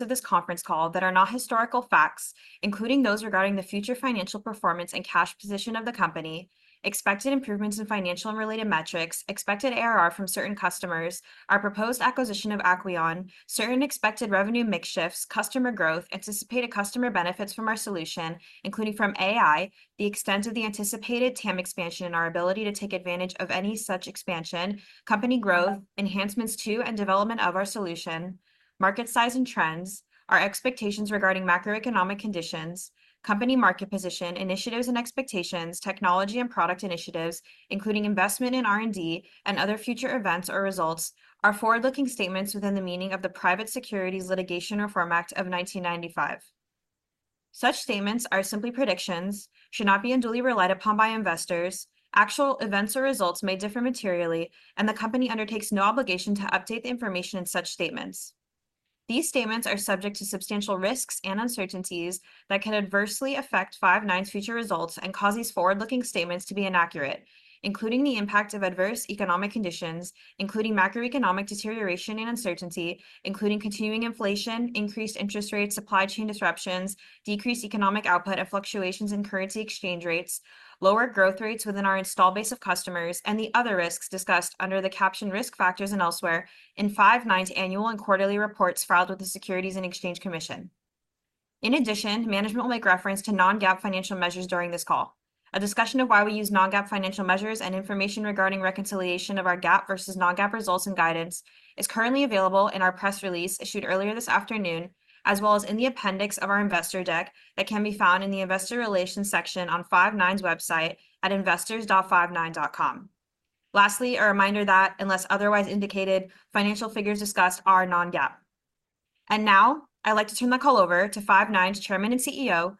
of this conference call that are not historical facts, including those regarding the future financial performance and cash position of the company, expected improvements in financial and related metrics, expected ARR from certain customers, our proposed acquisition of Acqueon, certain expected revenue mix shifts, customer growth, anticipated customer benefits from our solution, including from AI, the extent of the anticipated TAM expansion, and our ability to take advantage of any such expansion, company growth, enhancements to and development of our solution, market size and trends, our expectations regarding macroeconomic conditions, company market position, initiatives and expectations, technology and product initiatives, including investment in R&D, and other future events or results, are forward-looking statements within the meaning of the Private Securities Litigation Reform Act of 1995. Such statements are simply predictions, should not be unduly relied upon by investors. Actual events or results may differ materially, and the company undertakes no obligation to update the information in such statements. These statements are subject to substantial risks and uncertainties that can adversely affect Five9's future results and cause these forward-looking statements to be inaccurate, including the impact of adverse economic conditions, including macroeconomic deterioration and uncertainty, including continuing inflation, increased interest rates, supply chain disruptions, decreased economic output, and fluctuations in currency exchange rates, lower growth rates within our installed base of customers, and the other risks discussed under the caption Risk Factors and elsewhere in Five9's annual and quarterly reports filed with the Securities and Exchange Commission. In addition, management will make reference to non-GAAP financial measures during this call. A discussion of why we use non-GAAP financial measures and information regarding reconciliation of our GAAP versus non-GAAP results and guidance is currently available in our press release issued earlier this afternoon, as well as in the appendix of our investor deck that can be found in the Investor Relations section on Five9's website at investors.five9.com. Lastly, a reminder that unless otherwise indicated, financial figures discussed are non-GAAP. And now, I'd like to turn the call over to Five9's Chairman and CEO,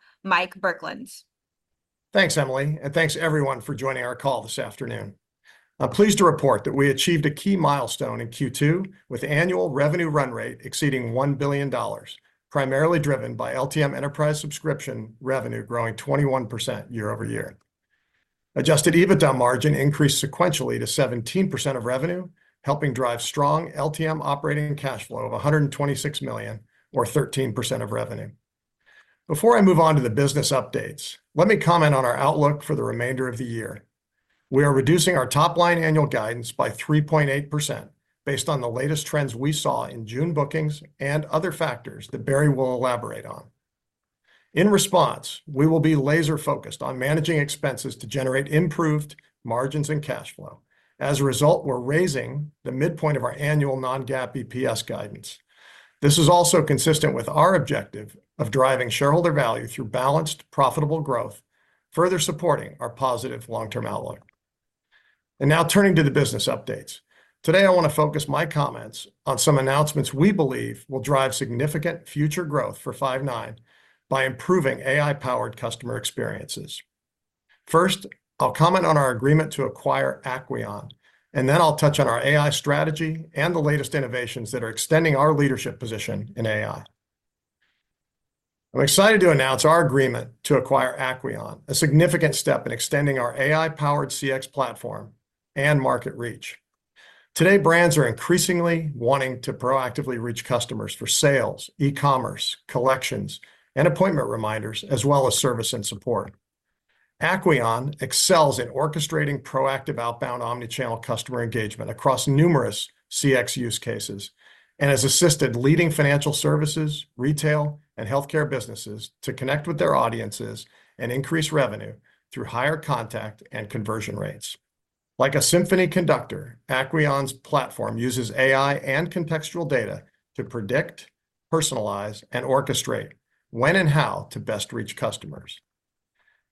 Mike Burkland. Thanks, Emily, and thanks everyone for joining our call this afternoon. I'm pleased to report that we achieved a key milestone in Q2, with annual revenue run rate exceeding $1 billion, primarily driven by LTM Enterprise Subscription Revenue growing 21% year-over-year. Adjusted EBITDA margin increased sequentially to 17% of revenue, helping drive strong LTM operating cash flow of $126 million or 13% of revenue. Before I move on to the business updates, let me comment on our outlook for the remainder of the year. We are reducing our top-line annual guidance by 3.8% based on the latest trends we saw in June bookings and other factors that Barry will elaborate on. In response, we will be laser-focused on managing expenses to generate improved margins and cash flow. As a result, we're raising the midpoint of our annual non-GAAP EPS guidance. This is also consistent with our objective of driving shareholder value through balanced, profitable growth, further supporting our positive long-term outlook. Now turning to the business updates. Today, I want to focus my comments on some announcements we believe will drive significant future growth for Five9 by improving AI-powered customer experiences. First, I'll comment on our agreement to acquire Acqueon, and then I'll touch on our AI strategy and the latest innovations that are extending our leadership position in AI. I'm excited to announce our agreement to acquire Acqueon, a significant step in extending our AI-powered CX Platform and market reach. Today, brands are increasingly wanting to proactively reach customers for sales, e-commerce, collections, and appointment reminders, as well as service and support. Acqueon excels in orchestrating proactive outbound omni-channel customer engagement across numerous CX use cases and has assisted leading financial services, retail, and healthcare businesses to connect with their audiences and increase revenue through higher contact and conversion rates. Like a symphony conductor, Acqueon's platform uses AI and contextual data to predict, personalize, and orchestrate when and how to best reach customers.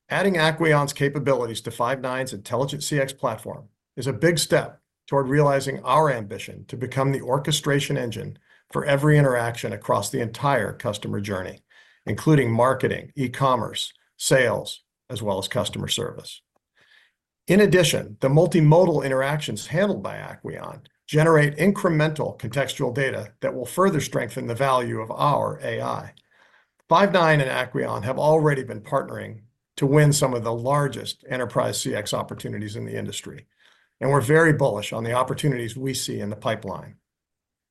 Adding Acqueon's capabilities to Five9's Intelligent CX Platform is a big step toward realizing our ambition to become the orchestration engine for every interaction across the entire customer journey, including marketing, e-commerce, sales, as well as customer service. In addition, the multimodal interactions handled by Acqueon generate incremental contextual data that will further strengthen the value of our AI. Five9 and Acqueon have already been partnering to win some of the largest enterprise CX opportunities in the industry, and we're very bullish on the opportunities we see in the pipeline.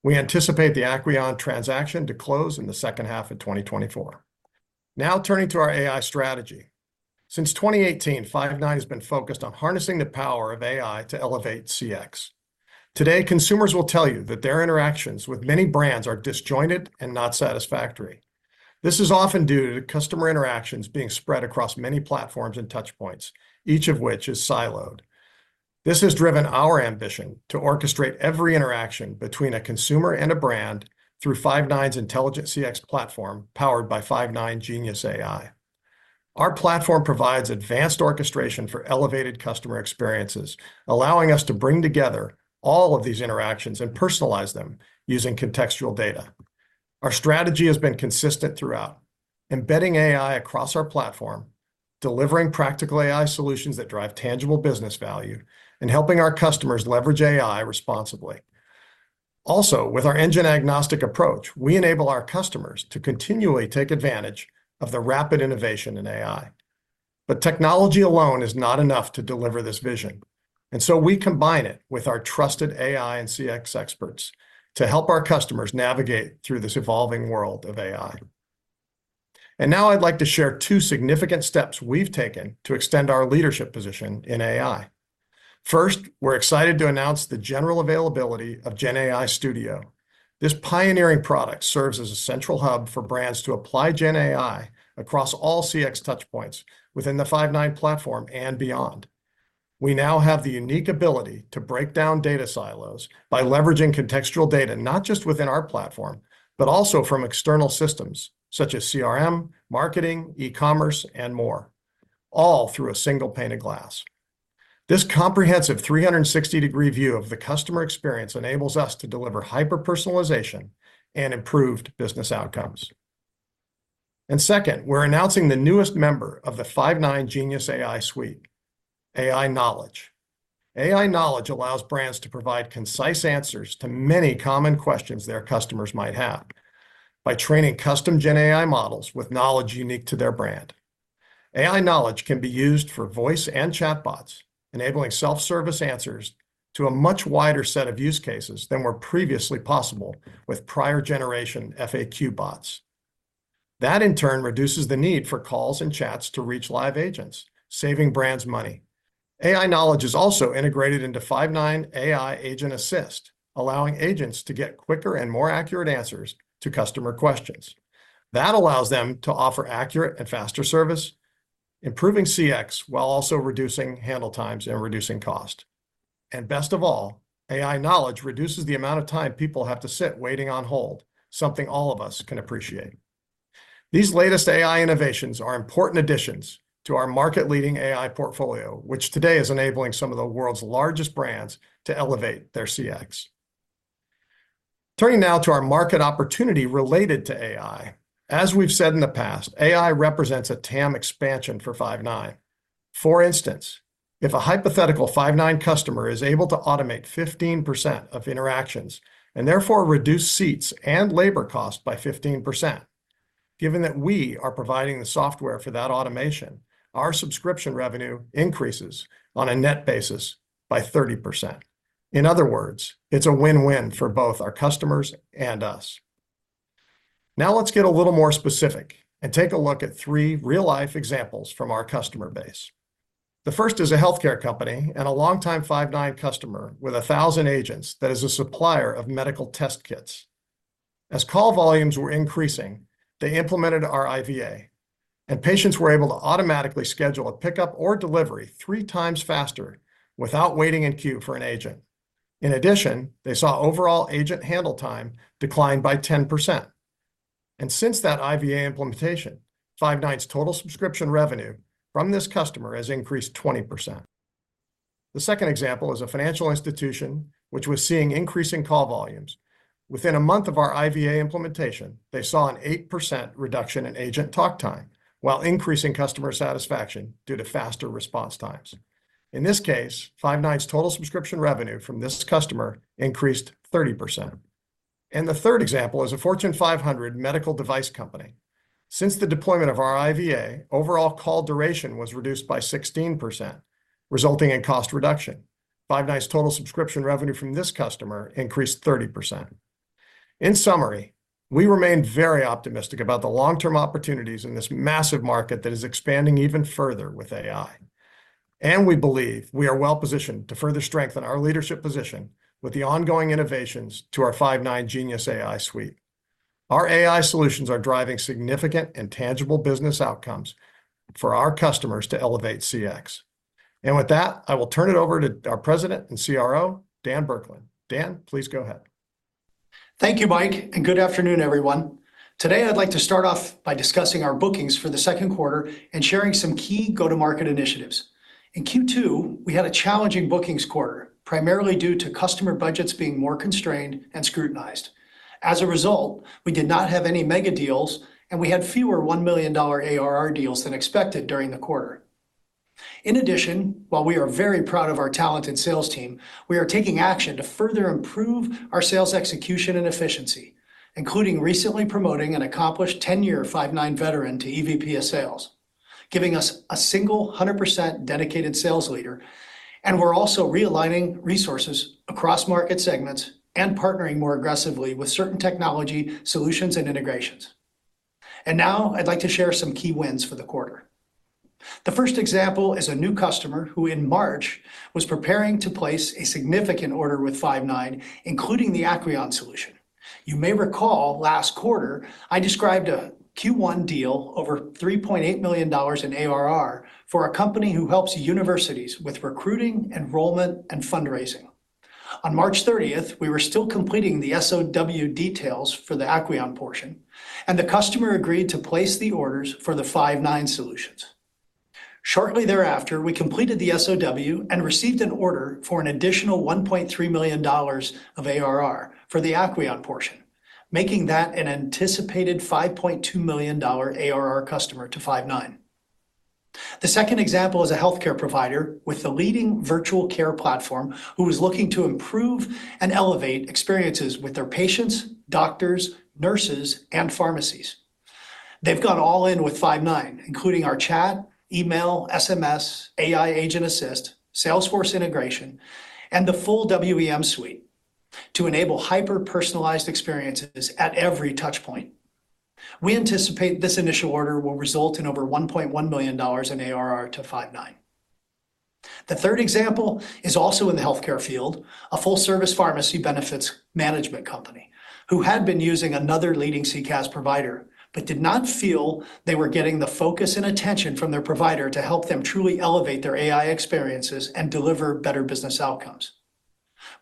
We anticipate the Acqueon transaction to close in the second half of 2024. Now, turning to our AI strategy. Since 2018, Five9 has been focused on harnessing the power of AI to elevate CX. Today, consumers will tell you that their interactions with many brands are disjointed and not satisfactory. This is often due to customer interactions being spread across many platforms and touchpoints, each of which is siloed. This has driven our ambition to orchestrate every interaction between a consumer and a brand through Five9's Intelligent CX Platform, powered by Five9 Genius AI. Our platform provides advanced orchestration for elevated customer experiences, allowing us to bring together all of these interactions and personalize them using contextual data. Our strategy has been consistent throughout, embedding AI across our platform, delivering practical AI solutions that drive tangible business value, and helping our customers leverage AI responsibly. Also, with our engine-agnostic approach, we enable our customers to continually take advantage of the rapid innovation in AI... But technology alone is not enough to deliver this vision, and so we combine it with our trusted AI and CX experts to help our customers navigate through this evolving world of AI. And now I'd like to share two significant steps we've taken to extend our leadership position in AI. First, we're excited to announce the general availability of GenAI Studio. This pioneering product serves as a central hub for brands to apply GenAI across all CX touchpoints within the Five9 platform and beyond. We now have the unique ability to break down data silos by leveraging contextual data, not just within our platform, but also from external systems such as CRM, marketing, e-commerce, and more, all through a single pane of glass. This comprehensive 360-degree view of the customer experience enables us to deliver hyper-personalization and improved business outcomes. And second, we're announcing the newest member of the Five9 Genius AI Suite, AI Knowledge. AI Knowledge allows brands to provide concise answers to many common questions their customers might have by training custom GenAI models with knowledge unique to their brand. AI Knowledge can be used for voice and chatbots, enabling self-service answers to a much wider set of use cases than were previously possible with prior generation FAQ bots. That, in turn, reduces the need for calls and chats to reach live agents, saving brands money. AI Knowledge is also integrated into Five9 AI Agent Assist, allowing agents to get quicker and more accurate answers to customer questions. That allows them to offer accurate and faster service, improving CX, while also reducing handle times and reducing cost. And best of all, AI Knowledge reduces the amount of time people have to sit waiting on hold, something all of us can appreciate. These latest AI innovations are important additions to our market-leading AI portfolio, which today is enabling some of the world's largest brands to elevate their CX. Turning now to our market opportunity related to AI. As we've said in the past, AI represents a TAM expansion for Five9. For instance, if a hypothetical Five9 customer is able to automate 15% of interactions and therefore reduce seats and labor costs by 15%, given that we are providing the software for that automation, our subscription revenue increases on a net basis by 30%. In other words, it's a win-win for both our customers and us. Now, let's get a little more specific and take a look at three real-life examples from our customer base. The first is a healthcare company and a longtime Five9 customer with 1,000 agents that is a supplier of medical test kits. As call volumes were increasing, they implemented our IVA, and patients were able to automatically schedule a pickup or delivery three times faster without waiting in queue for an agent. In addition, they saw overall agent handle time decline by 10%, and since that IVA implementation, Five9's total subscription revenue from this customer has increased 20%. The second example is a financial institution which was seeing increasing call volumes. Within a month of our IVA implementation, they saw an 8% reduction in agent talk time while increasing customer satisfaction due to faster response times. In this case, Five9's total subscription revenue from this customer increased 30%. The third example is a Fortune 500 medical device company. Since the deployment of our IVA, overall call duration was reduced by 16%, resulting in cost reduction. Five9's total subscription revenue from this customer increased 30%. In summary, we remain very optimistic about the long-term opportunities in this massive market that is expanding even further with AI, and we believe we are well positioned to further strengthen our leadership position with the ongoing innovations to our Five9 Genius AI Suite. Our AI solutions are driving significant and tangible business outcomes for our customers to elevate CX. And with that, I will turn it over to our President and CRO, Dan Burkland. Dan, please go ahead. Thank you, Mike, and good afternoon, everyone. Today, I'd like to start off by discussing our bookings for the second quarter and sharing some key go-to-market initiatives. In Q2, we had a challenging bookings quarter, primarily due to customer budgets being more constrained and scrutinized. As a result, we did not have any mega deals, and we had fewer $1 million ARR deals than expected during the quarter. In addition, while we are very proud of our talented sales team, we are taking action to further improve our sales execution and efficiency, including recently promoting an accomplished 10-year Five9 veteran to EVP of Sales, giving us a single 100% dedicated sales leader. We're also realigning resources across market segments and partnering more aggressively with certain technology solutions and integrations. Now I'd like to share some key wins for the quarter. The first example is a new customer who, in March, was preparing to place a significant order with Five9, including the Acqueon solution. You may recall last quarter I described a Q1 deal over $3.8 million in ARR for a company who helps universities with recruiting, enrollment, and fundraising. On March 30, we were still completing the SOW details for the Acqueon portion, and the customer agreed to place the orders for the Five9 solutions. Shortly thereafter, we completed the SOW and received an order for an additional $1.3 million of ARR for the Acqueon portion, making that an anticipated $5.2 million ARR customer to Five9. The second example is a healthcare provider with the leading virtual care platform, who is looking to improve and elevate experiences with their patients, doctors, nurses, and pharmacies.... They've gone all in with Five9, including our chat, email, SMS, AI Agent Assist, Salesforce integration, and the full WEM suite to enable hyper-personalized experiences at every touch point. We anticipate this initial order will result in over $1.1 million in ARR to Five9. The third example is also in the healthcare field, a full-service pharmacy benefits management company, who had been using another leading CCaaS provider, but did not feel they were getting the focus and attention from their provider to help them truly elevate their AI experiences and deliver better business outcomes.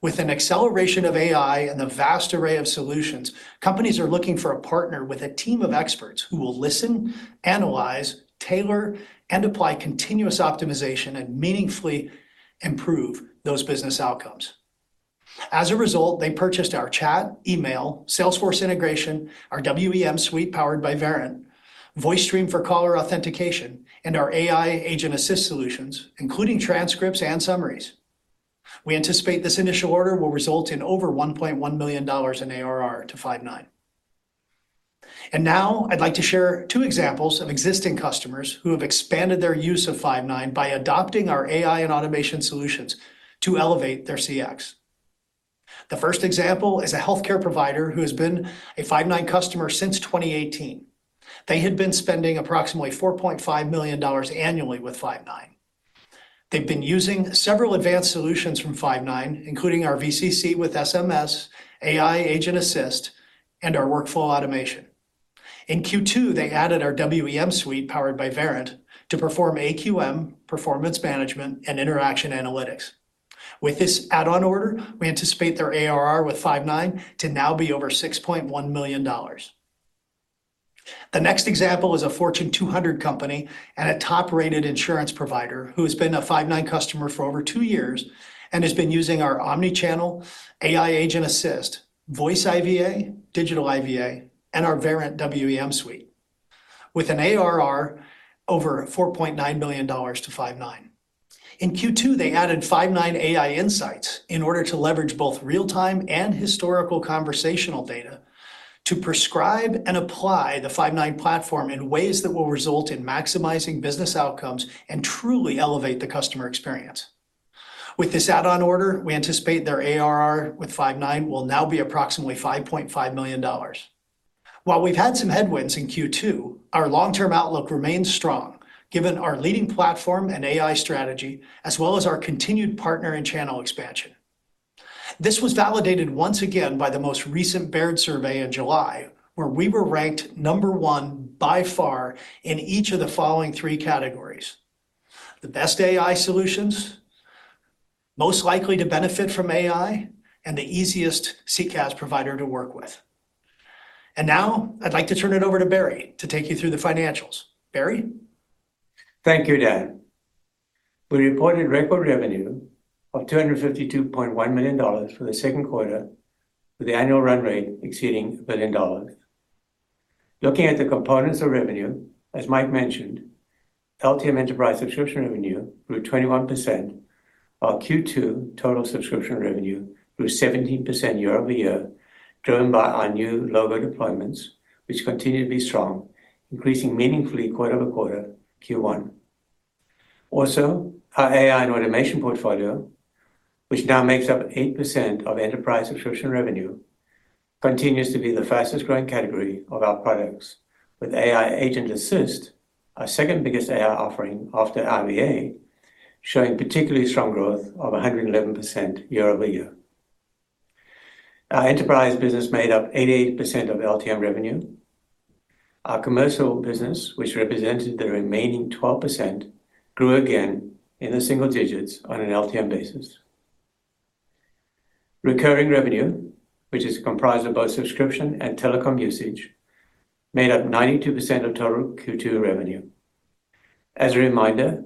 With an acceleration of AI and the vast array of solutions, companies are looking for a partner with a team of experts who will listen, analyze, tailor, and apply continuous optimization and meaningfully improve those business outcomes. As a result, they purchased our chat, email, Salesforce integration, our WEM suite powered by Verint, VoiceStream for caller authentication, and our AI Agent Assist solutions, including transcripts and summaries. We anticipate this initial order will result in over $1.1 million in ARR to Five9. And now I'd like to share two examples of existing customers who have expanded their use of Five9 by adopting our AI and automation solutions to elevate their CX. The first example is a healthcare provider who has been a Five9 customer since 2018. They had been spending approximately $4.5 million annually with Five9. They've been using several advanced solutions from Five9, including our VCC with SMS, AI Agent Assist, and our workflow automation. In Q2, they added our WEM suite, powered by Verint, to perform AQM, performance management, and interaction analytics. With this add-on order, we anticipate their ARR with Five9 to now be over $6.1 million. The next example is a Fortune 200 company and a top-rated insurance provider who has been a Five9 customer for over two years and has been using our omni-channel, AI Agent Assist, Voice IVA, Digital IVA, and our Verint WEM suite, with an ARR over $4.9 million to Five9. In Q2, they added Five9 AI Insights in order to leverage both real-time and historical conversational data to prescribe and apply the Five9 platform in ways that will result in maximizing business outcomes and truly elevate the customer experience. With this add-on order, we anticipate their ARR with Five9 will now be approximately $5.5 million. While we've had some headwinds in Q2, our long-term outlook remains strong, given our leading platform and AI strategy, as well as our continued partner and channel expansion. This was validated once again by the most recent Baird survey in July, where we were ranked number one by far in each of the following three categories: the best AI solutions, most likely to benefit from AI, and the easiest CCaaS provider to work with. And now, I'd like to turn it over to Barry to take you through the financials. Barry? Thank you, Dan. We reported record revenue of $252.1 million for the second quarter, with the annual run rate exceeding $1 billion. Looking at the components of revenue, as Mike mentioned, LTM Enterprise Subscription Revenue grew 21%, while Q2 total subscription revenue grew 17% year-over-year, driven by our new logo deployments, which continue to be strong, increasing meaningfully quarter-over-quarter Q1. Also, our AI and automation portfolio, which now makes up 8% of enterprise subscription revenue, continues to be the fastest growing category of our products, with AI Agent Assist, our second biggest AI offering after IVA, showing particularly strong growth of 111% year-over-year. Our enterprise business made up 88% of LTM revenue. Our Commercial business, which represented the remaining 12%, grew again in the single digits on an LTM basis. Recurring revenue, which is comprised of both subscription and telecom usage, made up 92% of total Q2 revenue. As a reminder,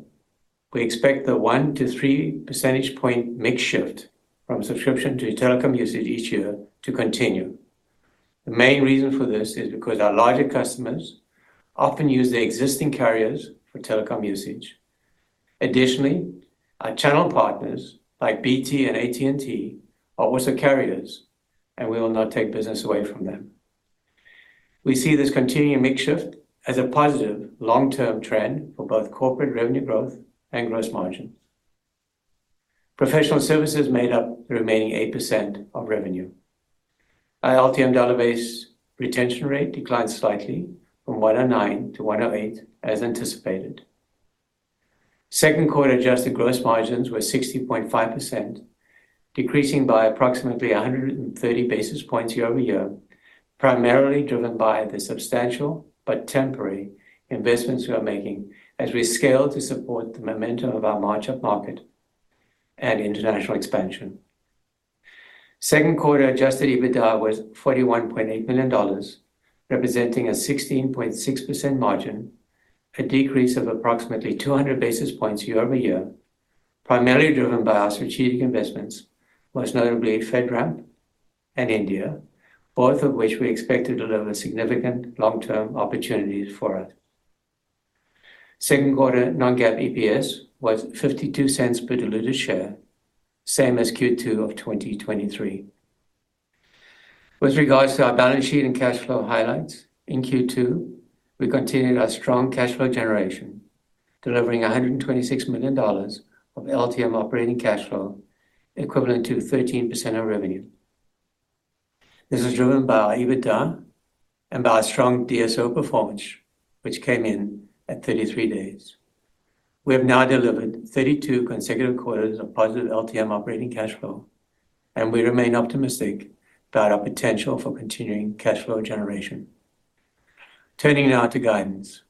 we expect the 1-3 percentage point mix shift from subscription to telecom usage each year to continue. The main reason for this is because our larger customers often use their existing carriers for telecom usage. Additionally, our channel partners, like BT and AT&T, are also carriers, and we will not take business away from them. We see this continuing mix shift as a positive long-term trend for both corporate revenue growth and gross margin. Professional services made up the remaining 8% of revenue. Our LTM dollar-based retention rate declined slightly from 109 to 108, as anticipated. Second quarter adjusted gross margins were 60.5%, decreasing by approximately 130 basis points year-over-year, primarily driven by the substantial but temporary investments we are making as we scale to support the momentum of our march up market and international expansion. Second quarter adjusted EBITDA was $41.8 million, representing a 16.6% margin, a decrease of approximately 200 basis points year-over-year, primarily driven by our strategic investments, most notably FedRAMP and India, both of which we expect to deliver significant long-term opportunities for us. Second quarter non-GAAP EPS was $0.52 per diluted share, same as Q2 of 2023. With regards to our balance sheet and cash flow highlights, in Q2, we continued our strong cash flow generation, delivering $126 million of LTM operating cash flow, equivalent to 13% of revenue. This is driven by our EBITDA and by our strong DSO performance, which came in at 33 days. We have now delivered 32 consecutive quarters of positive LTM operating cash flow, and we remain optimistic about our potential for continuing cash flow generation. Turning now to guidance.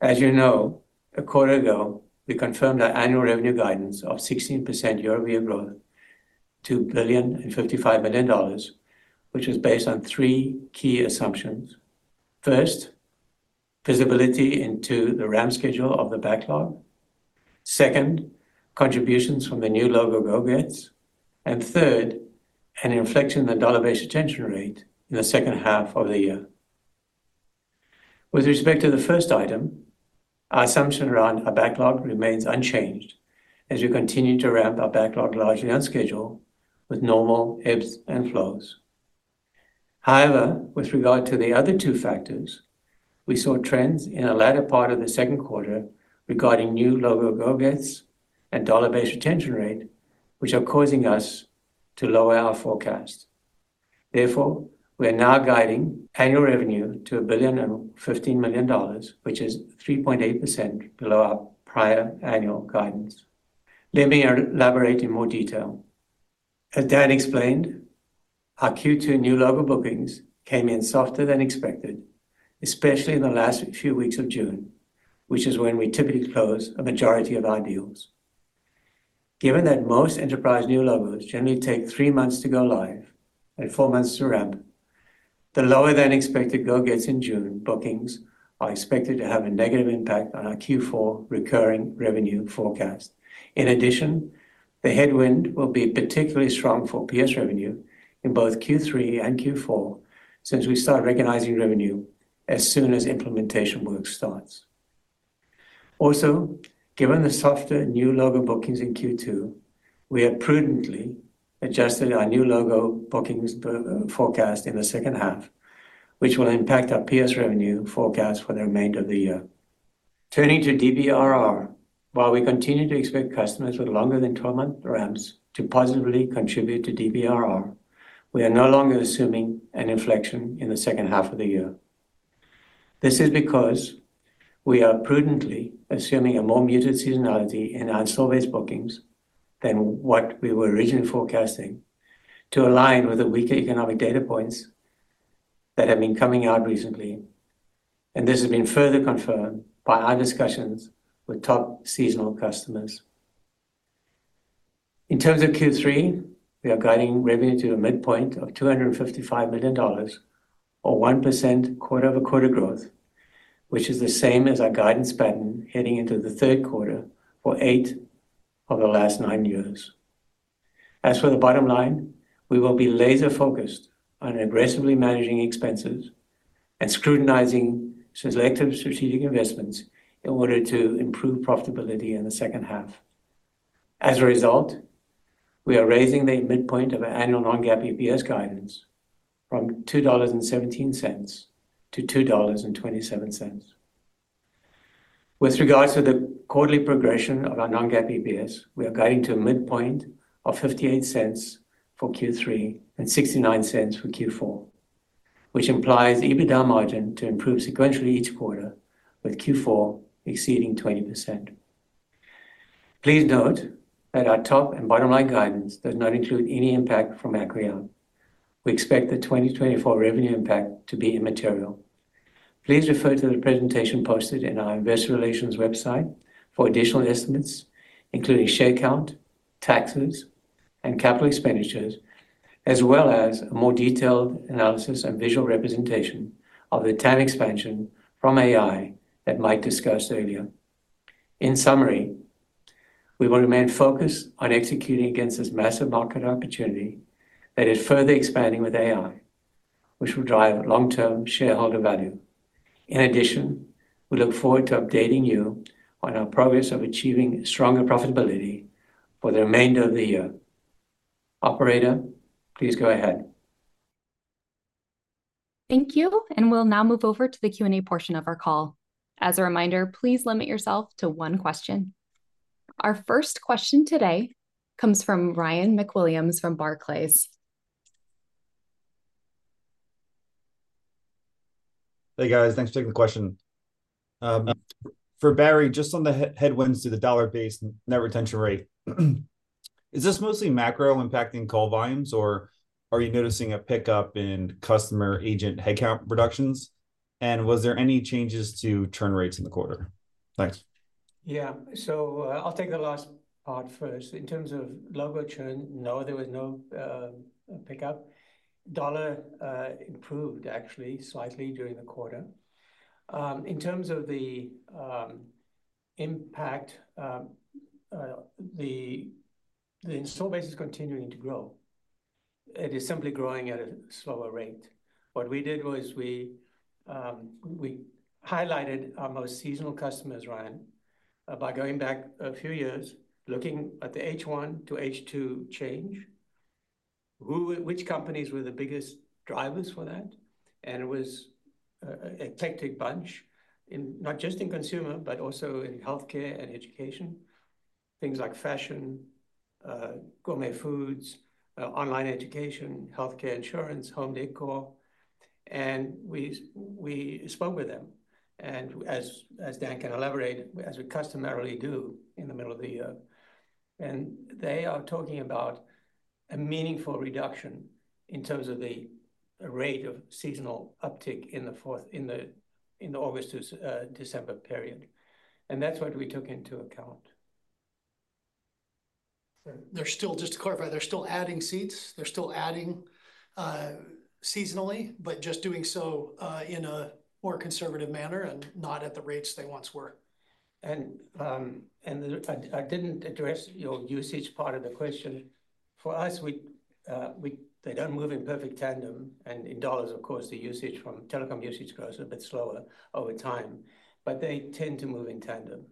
As you know, a quarter ago, we confirmed our annual revenue guidance of 16% year-over-year growth to $1.055 billion, which is based on three key assumptions. First, visibility into the ramp schedule of the backlog. Second, contributions from the new logo go-gets. And third, an inflection in the dollar-based retention rate in the second half of the year. With respect to the first item, our assumption around our backlog remains unchanged as we continue to ramp our backlog largely on schedule with normal ebbs and flows. However, with regard to the other two factors, we saw trends in the latter part of the second quarter regarding new logo go-gets and dollar-based retention rate, which are causing us to lower our forecast. Therefore, we are now guiding annual revenue to $1.015 billion, which is 3.8% below our prior annual guidance. Let me elaborate in more detail. As Dan explained, our Q2 new logo bookings came in softer than expected, especially in the last few weeks of June, which is when we typically close a majority of our deals. Given that most enterprise new logos generally take three months to go live and four months to ramp, the lower-than-expected go-lives in June bookings are expected to have a negative impact on our Q4 recurring revenue forecast. In addition, the headwind will be particularly strong for PS revenue in both Q3 and Q4, since we start recognizing revenue as soon as implementation work starts. Also, given the softer new logo bookings in Q2, we have prudently adjusted our new logo bookings forecast in the second half, which will impact our PS revenue forecast for the remainder of the year. Turning to DBRR, while we continue to expect customers with longer than 12-month ramps to positively contribute to DBRR, we are no longer assuming an inflection in the second half of the year. This is because we are prudently assuming a more muted seasonality in our install base bookings than what we were originally forecasting to align with the weaker economic data points that have been coming out recently, and this has been further confirmed by our discussions with top seasonal customers. In terms of Q3, we are guiding revenue to a midpoint of $255 million or 1% quarter-over-quarter growth, which is the same as our guidance pattern heading into the third quarter for eight of the last nine years. As for the bottom line, we will be laser-focused on aggressively managing expenses and scrutinizing selective strategic investments in order to improve profitability in the second half. As a result, we are raising the midpoint of our annual non-GAAP EPS guidance from $2.17-$2.27. With regards to the quarterly progression of our non-GAAP EPS, we are guiding to a midpoint of $0.58 for Q3 and $0.69 for Q4, which implies EBITDA margin to improve sequentially each quarter, with Q4 exceeding 20%. Please note that our top and bottom line guidance does not include any impact from Acqueon. We expect the 2024 revenue impact to be immaterial. Please refer to the presentation posted in our investor relations website for additional estimates, including share count, taxes, and capital expenditures, as well as a more detailed analysis and visual representation of the TAM expansion from AI that Mike discussed earlier. In summary, we will remain focused on executing against this massive market opportunity that is further expanding with AI, which will drive long-term shareholder value. In addition, we look forward to updating you on our progress of achieving stronger profitability for the remainder of the year. Operator, please go ahead. Thank you, and we'll now move over to the Q&A portion of our call. As a reminder, please limit yourself to one question. Our first question today comes from Ryan MacWilliams from Barclays. Hey, guys. Thanks for taking the question. For Barry, just on the headwinds to the dollar-based net retention rate, is this mostly macro impacting call volumes, or are you noticing a pickup in customer agent headcount reductions? And was there any changes to churn rates in the quarter? Thanks. Yeah. So, I'll take the last part first. In terms of logo churn, no, there was no pickup. Dollar improved actually slightly during the quarter. In terms of the impact, the installed base is continuing to grow... it is simply growing at a slower rate. What we did was we highlighted our most seasonal customers, Ryan, by going back a few years, looking at the H1 to H2 change, which companies were the biggest drivers for that? And it was an eclectic bunch, not just in consumer, but also in healthcare and education. Things like fashion, gourmet foods, online education, healthcare insurance, home decor, and we spoke with them. And as Dan can elaborate, as we customarily do in the middle of the year, and they are talking about a meaningful reduction in terms of the rate of seasonal uptick in the fourth, in the August to December period. And that's what we took into account. So they're still, just to clarify, they're still adding seats, they're still adding seasonally, but just doing so in a more conservative manner and not at the rates they once were. I didn't address your usage part of the question. For us, they don't move in perfect tandem, and in dollars, of course, the usage from telecom usage grows a bit slower over time. But they tend to move in tandem.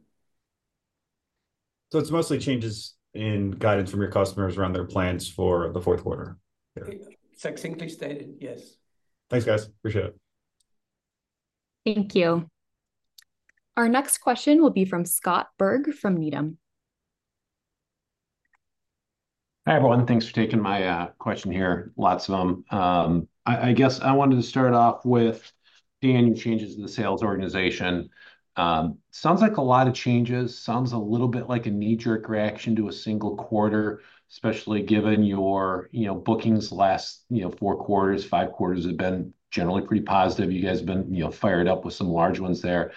It's mostly changes in guidance from your customers around their plans for the fourth quarter? Succinctly stated, yes. Thanks, guys. Appreciate it. Thank you. Our next question will be from Scott Berg from Needham. Hi, everyone. Thanks for taking my question here, lots of them. I guess I wanted to start off with Dan, changes in the sales organization. Sounds like a lot of changes. Sounds a little bit like a knee-jerk reaction to a single quarter, especially given your, you know, bookings last, you know, four quarters, five quarters have been generally pretty positive. You guys have been, you know, fired up with some large ones there.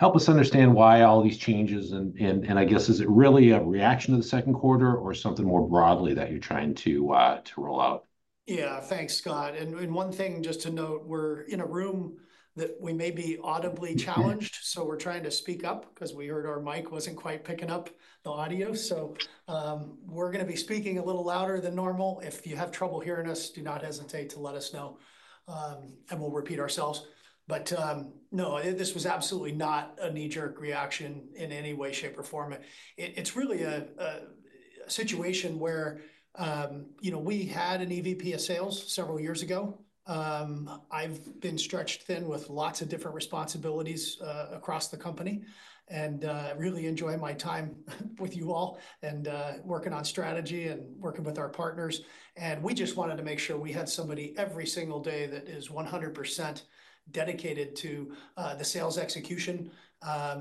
Help us understand why all these changes, and I guess, is it really a reaction to the second quarter or something more broadly that you're trying to roll out? Yeah. Thanks, Scott. One thing just to note, we're in a room that we may be audibly challenged, so we're trying to speak up 'cause we heard our mic wasn't quite picking up the audio. So, we're gonna be speaking a little louder than normal. If you have trouble hearing us, do not hesitate to let us know, and we'll repeat ourselves. But, no, this was absolutely not a knee-jerk reaction in any way, shape, or form. It's really a situation where, you know, we had an EVP of sales several years ago. I've been stretched thin with lots of different responsibilities across the company, and really enjoy my time with you all, and working on strategy and working with our partners. We just wanted to make sure we had somebody every single day that is 100% dedicated to the sales execution,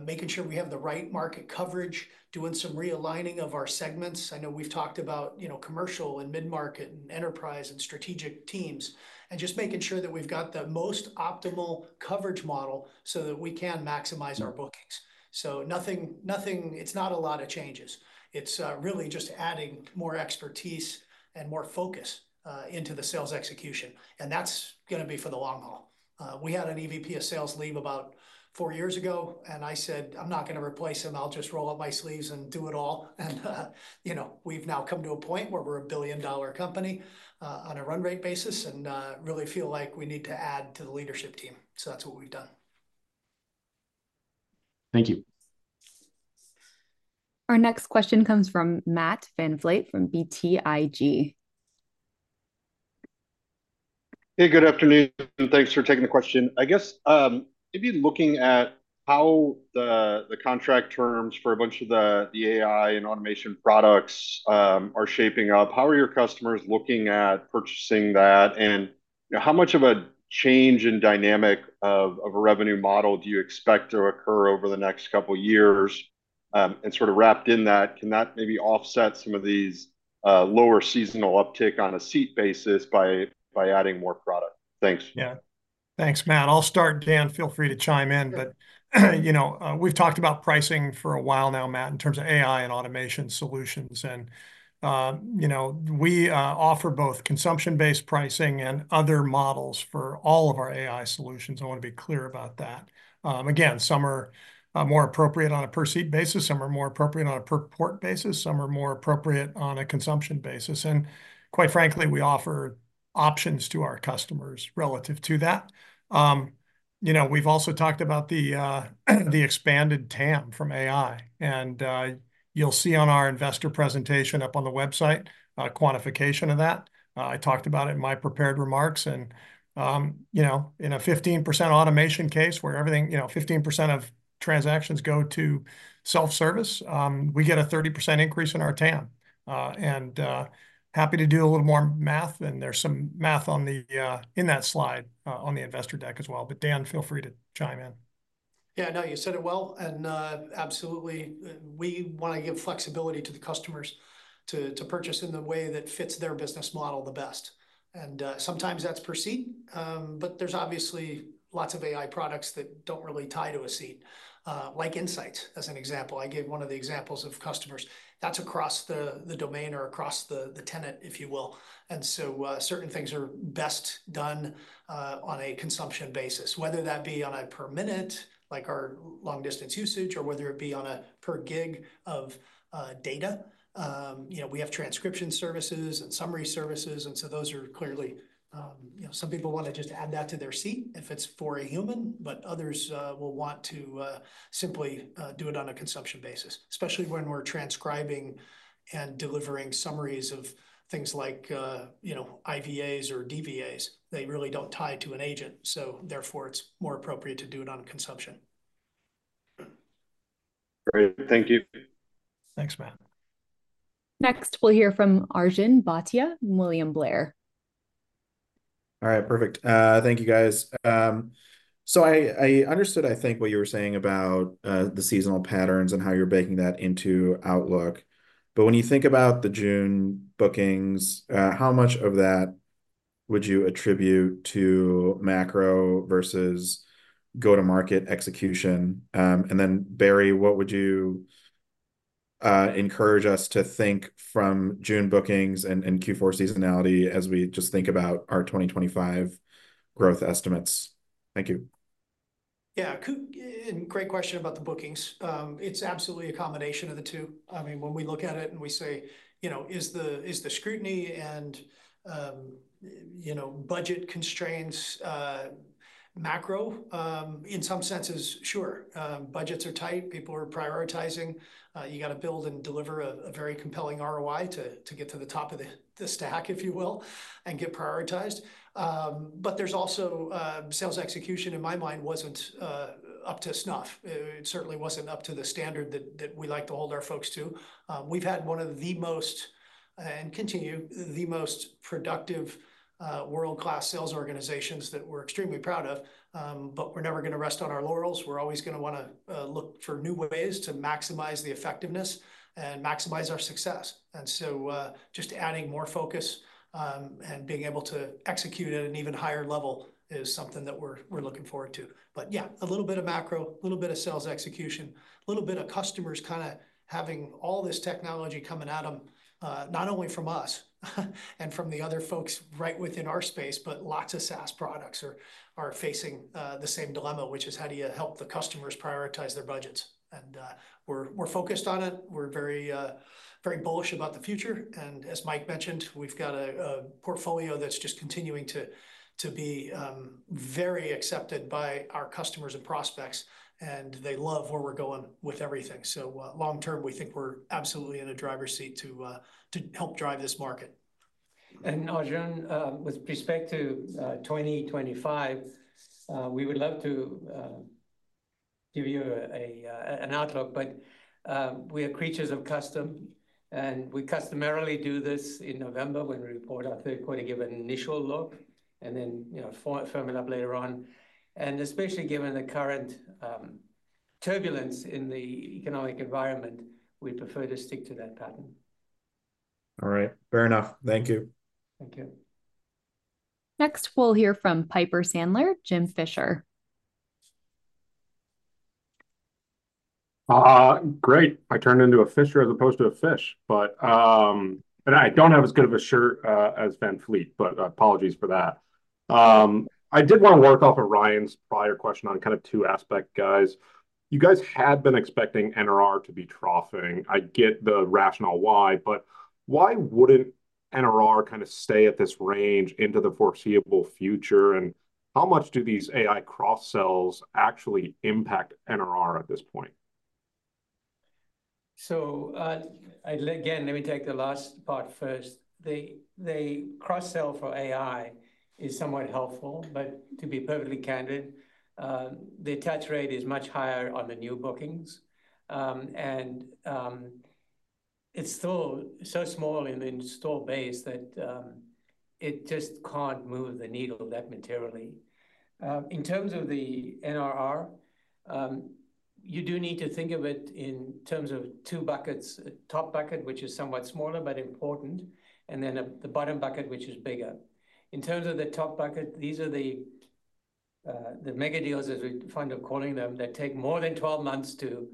making sure we have the right market coverage, doing some realigning of our segments. I know we've talked about, you know, commercial and mid-market and enterprise and strategic teams, and just making sure that we've got the most optimal coverage model so that we can maximize our bookings. So nothing. It's not a lot of changes. It's really just adding more expertise and more focus into the sales execution, and that's gonna be for the long haul. We had an EVP of sales leave about four years ago, and I said: "I'm not gonna replace him. I'll just roll up my sleeves and do it all." And, you know, we've now come to a point where we're a billion-dollar company, on a run rate basis, and really feel like we need to add to the leadership team. So that's what we've done. Thank you. Our next question comes from Matt VanVliet from BTIG. Hey, good afternoon, and thanks for taking the question. I guess maybe looking at how the contract terms for a bunch of the AI and automation products are shaping up, how are your customers looking at purchasing that? And, you know, how much of a change in dynamic of a revenue model do you expect to occur over the next couple of years? And sort of wrapped in that, can that maybe offset some of these lower seasonal uptick on a seat basis by adding more product? Thanks. Yeah. Thanks, Matt. I'll start, Dan. Feel free to chime in. Sure. You know, we've talked about pricing for a while now, Matt, in terms of AI and automation solutions, and, you know, we offer both consumption-based pricing and other models for all of our AI solutions. I want to be clear about that. Again, some are more appropriate on a per-seat basis, some are more appropriate on a per-port basis, some are more appropriate on a consumption basis, and quite frankly, we offer options to our customers relative to that. You know, we've also talked about the expanded TAM from AI, and you'll see on our investor presentation up on the website, a quantification of that. I talked about it in my prepared remarks and, you know, in a 15% automation case, where everything, you know, 15% of transactions go to self-service, we get a 30% increase in our TAM. And happy to do a little more math, and there's some math on the in that slide on the investor deck as well. But Dan, feel free to chime in. Yeah, no, you said it well, and absolutely, we want to give flexibility to the customers to, to purchase in the way that fits their business model the best. And sometimes that's per seat, but there's obviously lots of AI products that don't really tie to a seat, like Insights, as an example. I gave one of the examples of customers. That's across the, the domain or across the, the tenant, if you will. And so certain things are best done on a consumption basis, whether that be on a per minute, like our long-distance usage, or whether it be on a per gig of data. You know, we have transcription services and summary services, and so those are clearly... You know, some people want to just add that to their seat if it's for a human, but others will want to simply do it on a consumption basis, especially when we're transcribing and delivering summaries of things like, you know, IVAs or DVAs. They really don't tie to an agent, so therefore, it's more appropriate to do it on a consumption.... Great. Thank you. Thanks, Matt. Next, we'll hear from Arjun Bhatia, William Blair. All right, perfect. Thank you, guys. So I, I understood, I think, what you were saying about the seasonal patterns and how you're baking that into outlook. But when you think about the June bookings, how much of that would you attribute to macro versus go-to-market execution? And then, Barry, what would you encourage us to think from June bookings and Q4 seasonality as we just think about our 2025 growth estimates? Thank you. Yeah, and great question about the bookings. It's absolutely a combination of the two. I mean, when we look at it and we say, you know, is the, is the scrutiny and, you know, budget constraints, macro? In some senses, sure. Budgets are tight. People are prioritizing. You got to build and deliver a very compelling ROI to get to the top of the stack, if you will, and get prioritized. But there's also sales execution, in my mind, wasn't up to snuff. It certainly wasn't up to the standard that we like to hold our folks to. We've had one of the most and continue the most productive world-class sales organizations that we're extremely proud of. But we're never gonna rest on our laurels. We're always gonna wanna look for new ways to maximize the effectiveness and maximize our success. And so, just adding more focus and being able to execute at an even higher level is something that we're looking forward to. But yeah, a little bit of macro, a little bit of sales execution, a little bit of customers kind of having all this technology coming at them, not only from us, and from the other folks right within our space, but lots of SaaS products are facing the same dilemma, which is: How do you help the customers prioritize their budgets? And we're focused on it. We're very, very bullish about the future, and as Mike mentioned, we've got a portfolio that's just continuing to be very accepted by our customers and prospects, and they love where we're going with everything. So, long term, we think we're absolutely in the driver's seat to help drive this market. Arjun, with respect to 2025, we would love to give you an outlook, but we are creatures of custom, and we customarily do this in November when we report our third quarter, give an initial look, and then, you know, firm it up later on. Especially given the current turbulence in the economic environment, we'd prefer to stick to that pattern. All right. Fair enough. Thank you. Thank you. Next, we'll hear from Piper Sandler, Jim Fish. Great! I turned into a Fish as opposed to a fish, but and I don't have as good of a shirt as VanVliet, but apologies for that. I did want to work off of Ryan's prior question on kind of two aspects, guys. You guys had been expecting NRR to be troughing. I get the rationale why, but why wouldn't NRR kind of stay at this range into the foreseeable future? And how much do these AI cross-sells actually impact NRR at this point? So, again, let me take the last part first. The cross-sell for AI is somewhat helpful, but to be perfectly candid, the attach rate is much higher on the new bookings. And it's still so small in the install base that it just can't move the needle that materially. In terms of the NRR, you do need to think of it in terms of two buckets: a top bucket, which is somewhat smaller but important, and then the bottom bucket, which is bigger. In terms of the top bucket, these are the mega deals, as we're kind of calling them, that take more than 12 months to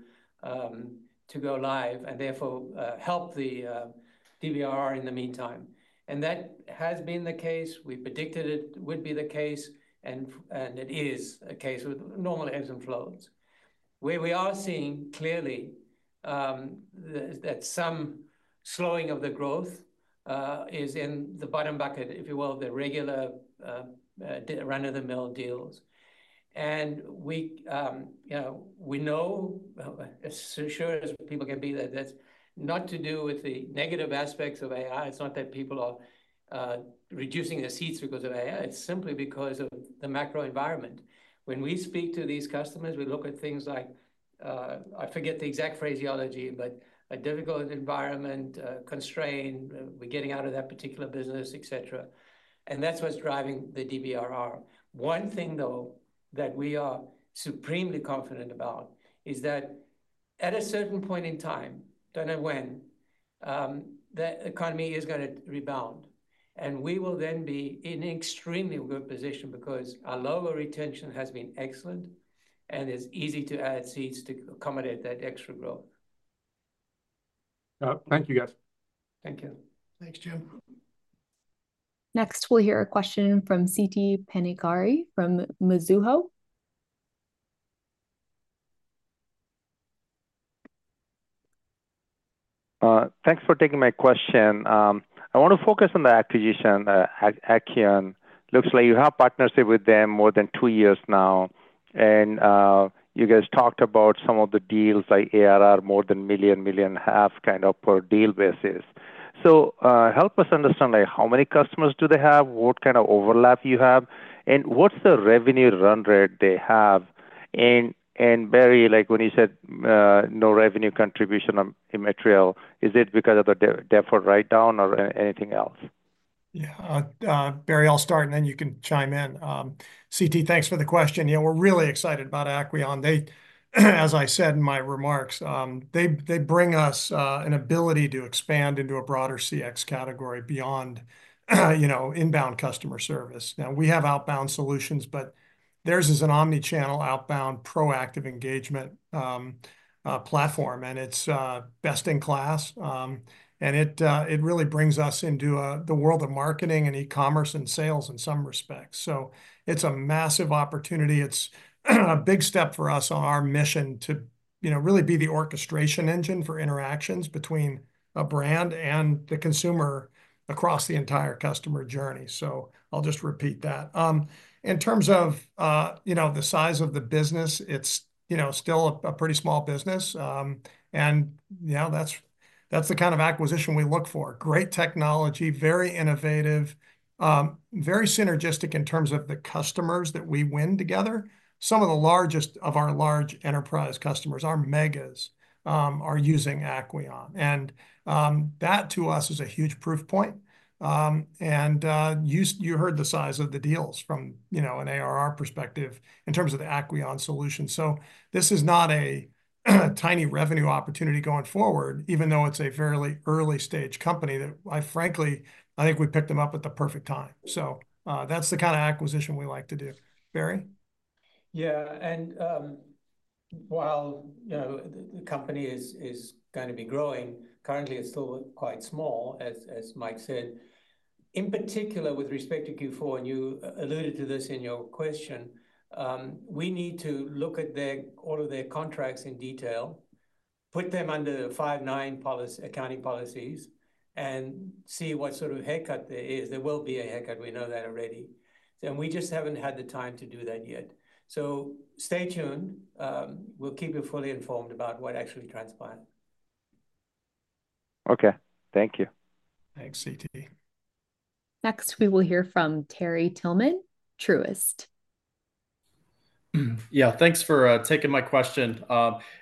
go live and therefore help the DBRR in the meantime. And that has been the case. We predicted it would be the case, and it is the case with normal ebbs and flows. Where we are seeing clearly, the that some slowing of the growth is in the bottom bucket, if you will, the regular run-of-the-mill deals. And we, you know, we know, as sure as people can be, that that's not to do with the negative aspects of AI. It's not that people are reducing their seats because of AI. It's simply because of the macro environment. When we speak to these customers, we look at things like, I forget the exact phraseology, but a difficult environment, constraint, we're getting out of that particular business, et cetera, and that's what's driving the DBRR. One thing, though, that we are supremely confident about is that at a certain point in time, don't know when, the economy is gonna rebound, and we will then be in extremely good position because our lower retention has been excellent, and it's easy to add seats to accommodate that extra growth. Thank you, guys. Thank you. Thanks, Jim. Next, we'll hear a question from Siti Panigrahi from Mizuho. Thanks for taking my question. I want to focus on the acquisition, Acqueon. Looks like you have partnership with them more than two years now, and you guys talked about some of the deals, like ARR more than $1 million, $1.5 million kind of per deal basis. So help us understand, like, how many customers do they have, what kind of overlap you have, and what's the revenue run rate they have? And Barry, like, when you said no revenue contribution or immaterial, is it because of the deferred write-down or anything else? Yeah, Barry, I'll start, and then you can chime in. Siti, thanks for the question. Yeah, we're really excited about Acqueon. They, as I said in my remarks, they bring us an ability to expand into a broader CX category beyond, you know, inbound customer service. Now, we have outbound solutions, but theirs is an omni-channel, outbound, proactive engagement platform, and it's best-in-class. And it really brings us into the world of marketing and e-commerce and sales in some respects, so it's a massive opportunity. It's a big step for us on our mission to, you know, really be the orchestration engine for interactions between a brand and the consumer across the entire customer journey, so I'll just repeat that. In terms of, you know, the size of the business, it's, you know, still a pretty small business. And yeah, that's the kind of acquisition we look for, great technology, very innovative, very synergistic in terms of the customers that we win together. Some of the largest of our large enterprise customers, our megas, are using Acqueon, and that, to us, is a huge proof point. And you heard the size of the deals from, you know, an ARR perspective in terms of the Acqueon solution. So this is not a tiny revenue opportunity going forward, even though it's a fairly early-stage company that I frankly, I think we picked them up at the perfect time, so that's the kind of acquisition we like to do. Barry? Yeah, and while, you know, the company is gonna be growing, currently it's still quite small, as Mike said. In particular, with respect to Q4, and you alluded to this in your question, we need to look at their all of their contracts in detail, put them under the Five9 policy accounting policies, and see what sort of haircut there is. There will be a haircut, we know that already, and we just haven't had the time to do that yet. So stay tuned. We'll keep you fully informed about what actually transpired. Okay, thank you. Thanks, Siti. Next, we will hear from Terry Tillman, Truist. Yeah, thanks for taking my question.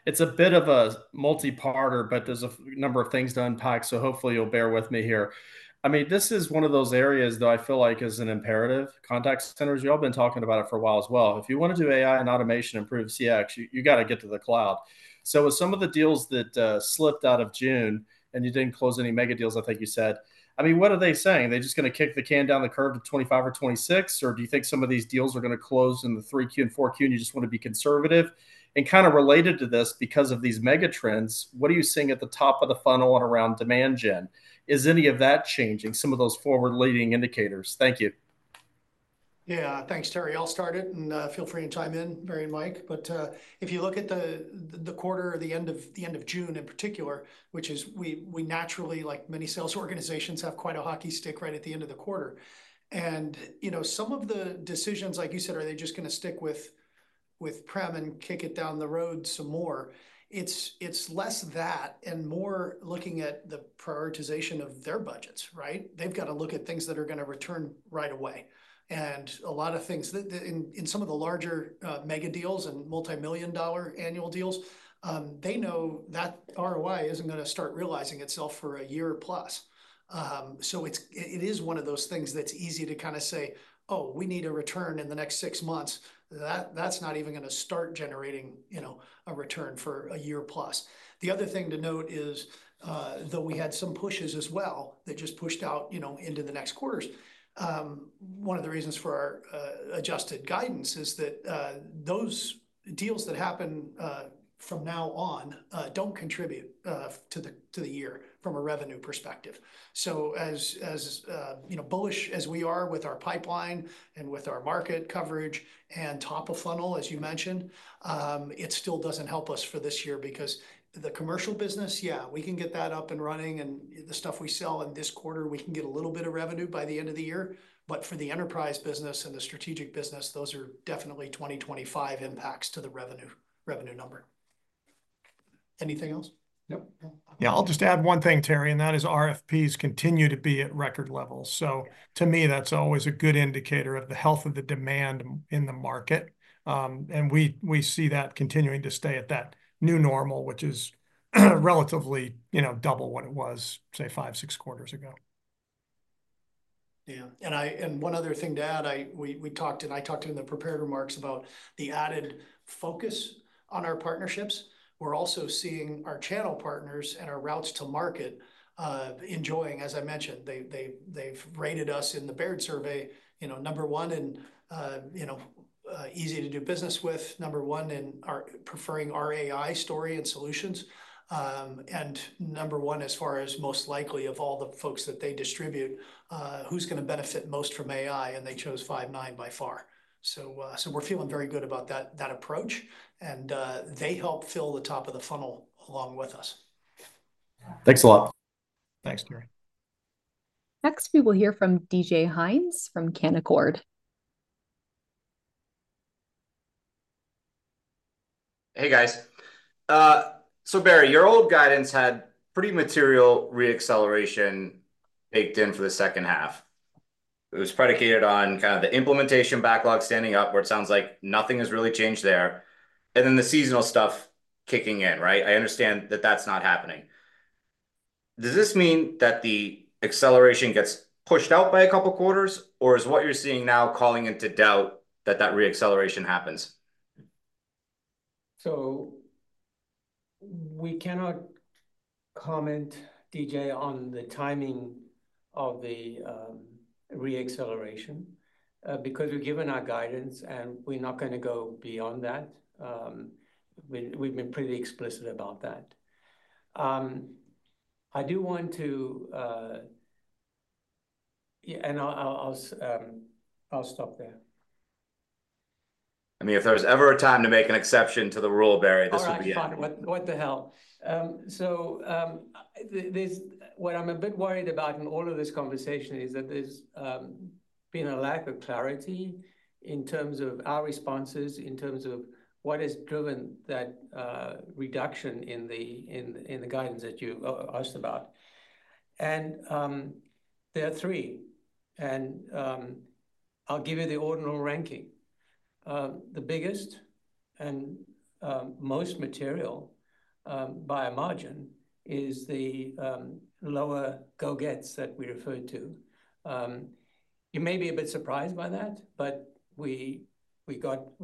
It's a bit of a multi-parter, but there's a number of things to unpack, so hopefully you'll bear with me here. I mean, this is one of those areas that I feel like is an imperative, contact centers. You've all been talking about it for a while as well. If you wanna do AI and automation, improve CX, you gotta get to the cloud. So with some of the deals that slipped out of June, and you didn't close any mega deals, I think you said, I mean, what are they saying? They're just gonna kick the can down the curve to 2025 or 2026, or do you think some of these deals are gonna close in the 3Q and 4Q, and you just wanna be conservative? Kind of related to this, because of these mega trends, what are you seeing at the top of the funnel and around demand gen? Is any of that changing some of those forward-leading indicators? Thank you. Yeah. Thanks, Terry. I'll start it, and feel free to chime in, Barry and Mike. But if you look at the quarter or the end of June in particular, which is we naturally, like many sales organizations, have quite a hockey stick right at the end of the quarter. And you know, some of the decisions, like you said, are they just gonna stick with prem and kick it down the road some more? It's less that and more looking at the prioritization of their budgets, right? They've got to look at things that are gonna return right away, and a lot of things. The in some of the larger mega deals and multimillion-dollar annual deals, they know that ROI isn't gonna start realizing itself for a year plus. So it's, it is one of those things that's easy to kind of say, "Oh, we need a return in the next six months." That, that's not even gonna start generating, you know, a return for a year plus. The other thing to note is, though we had some pushes as well, that just pushed out, you know, into the next quarters, one of the reasons for our, adjusted guidance is that, those deals that happen, from now on, don't contribute for the year from a revenue perspective. So as, as, you know, bullish as we are with our pipeline and with our market coverage and top of funnel, as you mentioned, it still doesn't help us for this year. Because the commercial business, yeah, we can get that up and running, and the stuff we sell in this quarter, we can get a little bit of revenue by the end of the year. But for the enterprise business and the strategic business, those are definitely 2025 impacts to the revenue, revenue number. Anything else? Nope. No. Yeah, I'll just add one thing, Terry, and that is RFPs continue to be at record levels. Yeah. So to me, that's always a good indicator of the health of the demand in the market. And we see that continuing to stay at that new normal, which is, relatively, you know, double what it was, say, five, six quarters ago. Yeah, and one other thing to add, we talked, and I talked in the prepared remarks about the added focus on our partnerships. We're also seeing our channel partners and our routes to market, enjoying, as I mentioned, they've rated us in the Baird survey, you know, number one in, you know, easy to do business with, number one in preferring our AI story and solutions, and number one, as far as most likely of all the folks that they distribute, who's gonna benefit most from AI, and they chose Five9 by far. So, we're feeling very good about that approach, and they help fill the top of the funnel along with us. Thanks a lot. Thanks, Terry. Next, we will hear from D.J. Hynes from Canaccord. ... Hey, guys. So Barry, your old guidance had pretty material re-acceleration baked in for the second half. It was predicated on kind of the implementation backlog standing up, where it sounds like nothing has really changed there, and then the seasonal stuff kicking in, right? I understand that that's not happening. Does this mean that the acceleration gets pushed out by a couple quarters, or is what you're seeing now calling into doubt that that re-acceleration happens? So we cannot comment, D.J., on the timing of the re-acceleration, because we've given our guidance, and we're not gonna go beyond that. We've been pretty explicit about that. Yeah, and I'll stop there. I mean, if there was ever a time to make an exception to the rule, Barry, this would be it. All right, fine. What, what the hell? What I'm a bit worried about in all of this conversation is that there's been a lack of clarity in terms of our responses, in terms of what has driven that reduction in the guidance that you asked about. And there are three, and I'll give you the ordinal ranking. The biggest and most material, by a margin, is the lower go-lives that we referred to. You may be a bit surprised by that, but we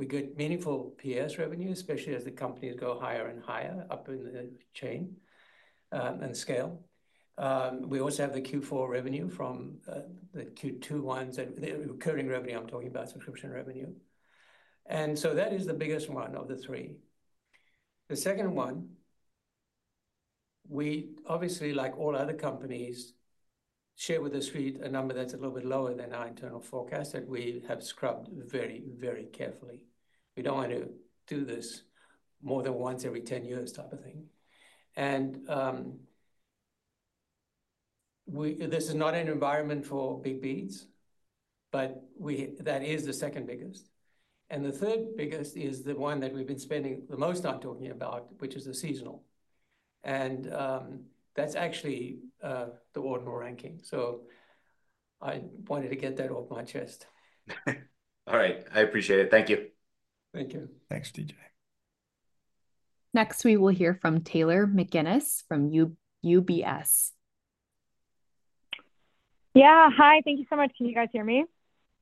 get meaningful PS revenue, especially as the companies go higher and higher up in the chain, and scale. We also have the Q4 revenue from the Q2 ones, and the recurring revenue, I'm talking about subscription revenue. And so that is the biggest one of the three. The second one, we obviously, like all other companies, share with the Street a number that's a little bit lower than our internal forecast, that we have scrubbed very, very carefully. We don't want to do this more than once every ten years type of thing. And this is not an environment for big beats, but we... That is the second biggest. And the third biggest is the one that we've been spending the most time talking about, which is the seasonal. And that's actually the ordinal ranking, so I wanted to get that off my chest. All right, I appreciate it. Thank you. Thank you. Thanks, D.J. Next, we will hear from Taylor McGinnis from UBS. Yeah, hi. Thank you so much. Can you guys hear me?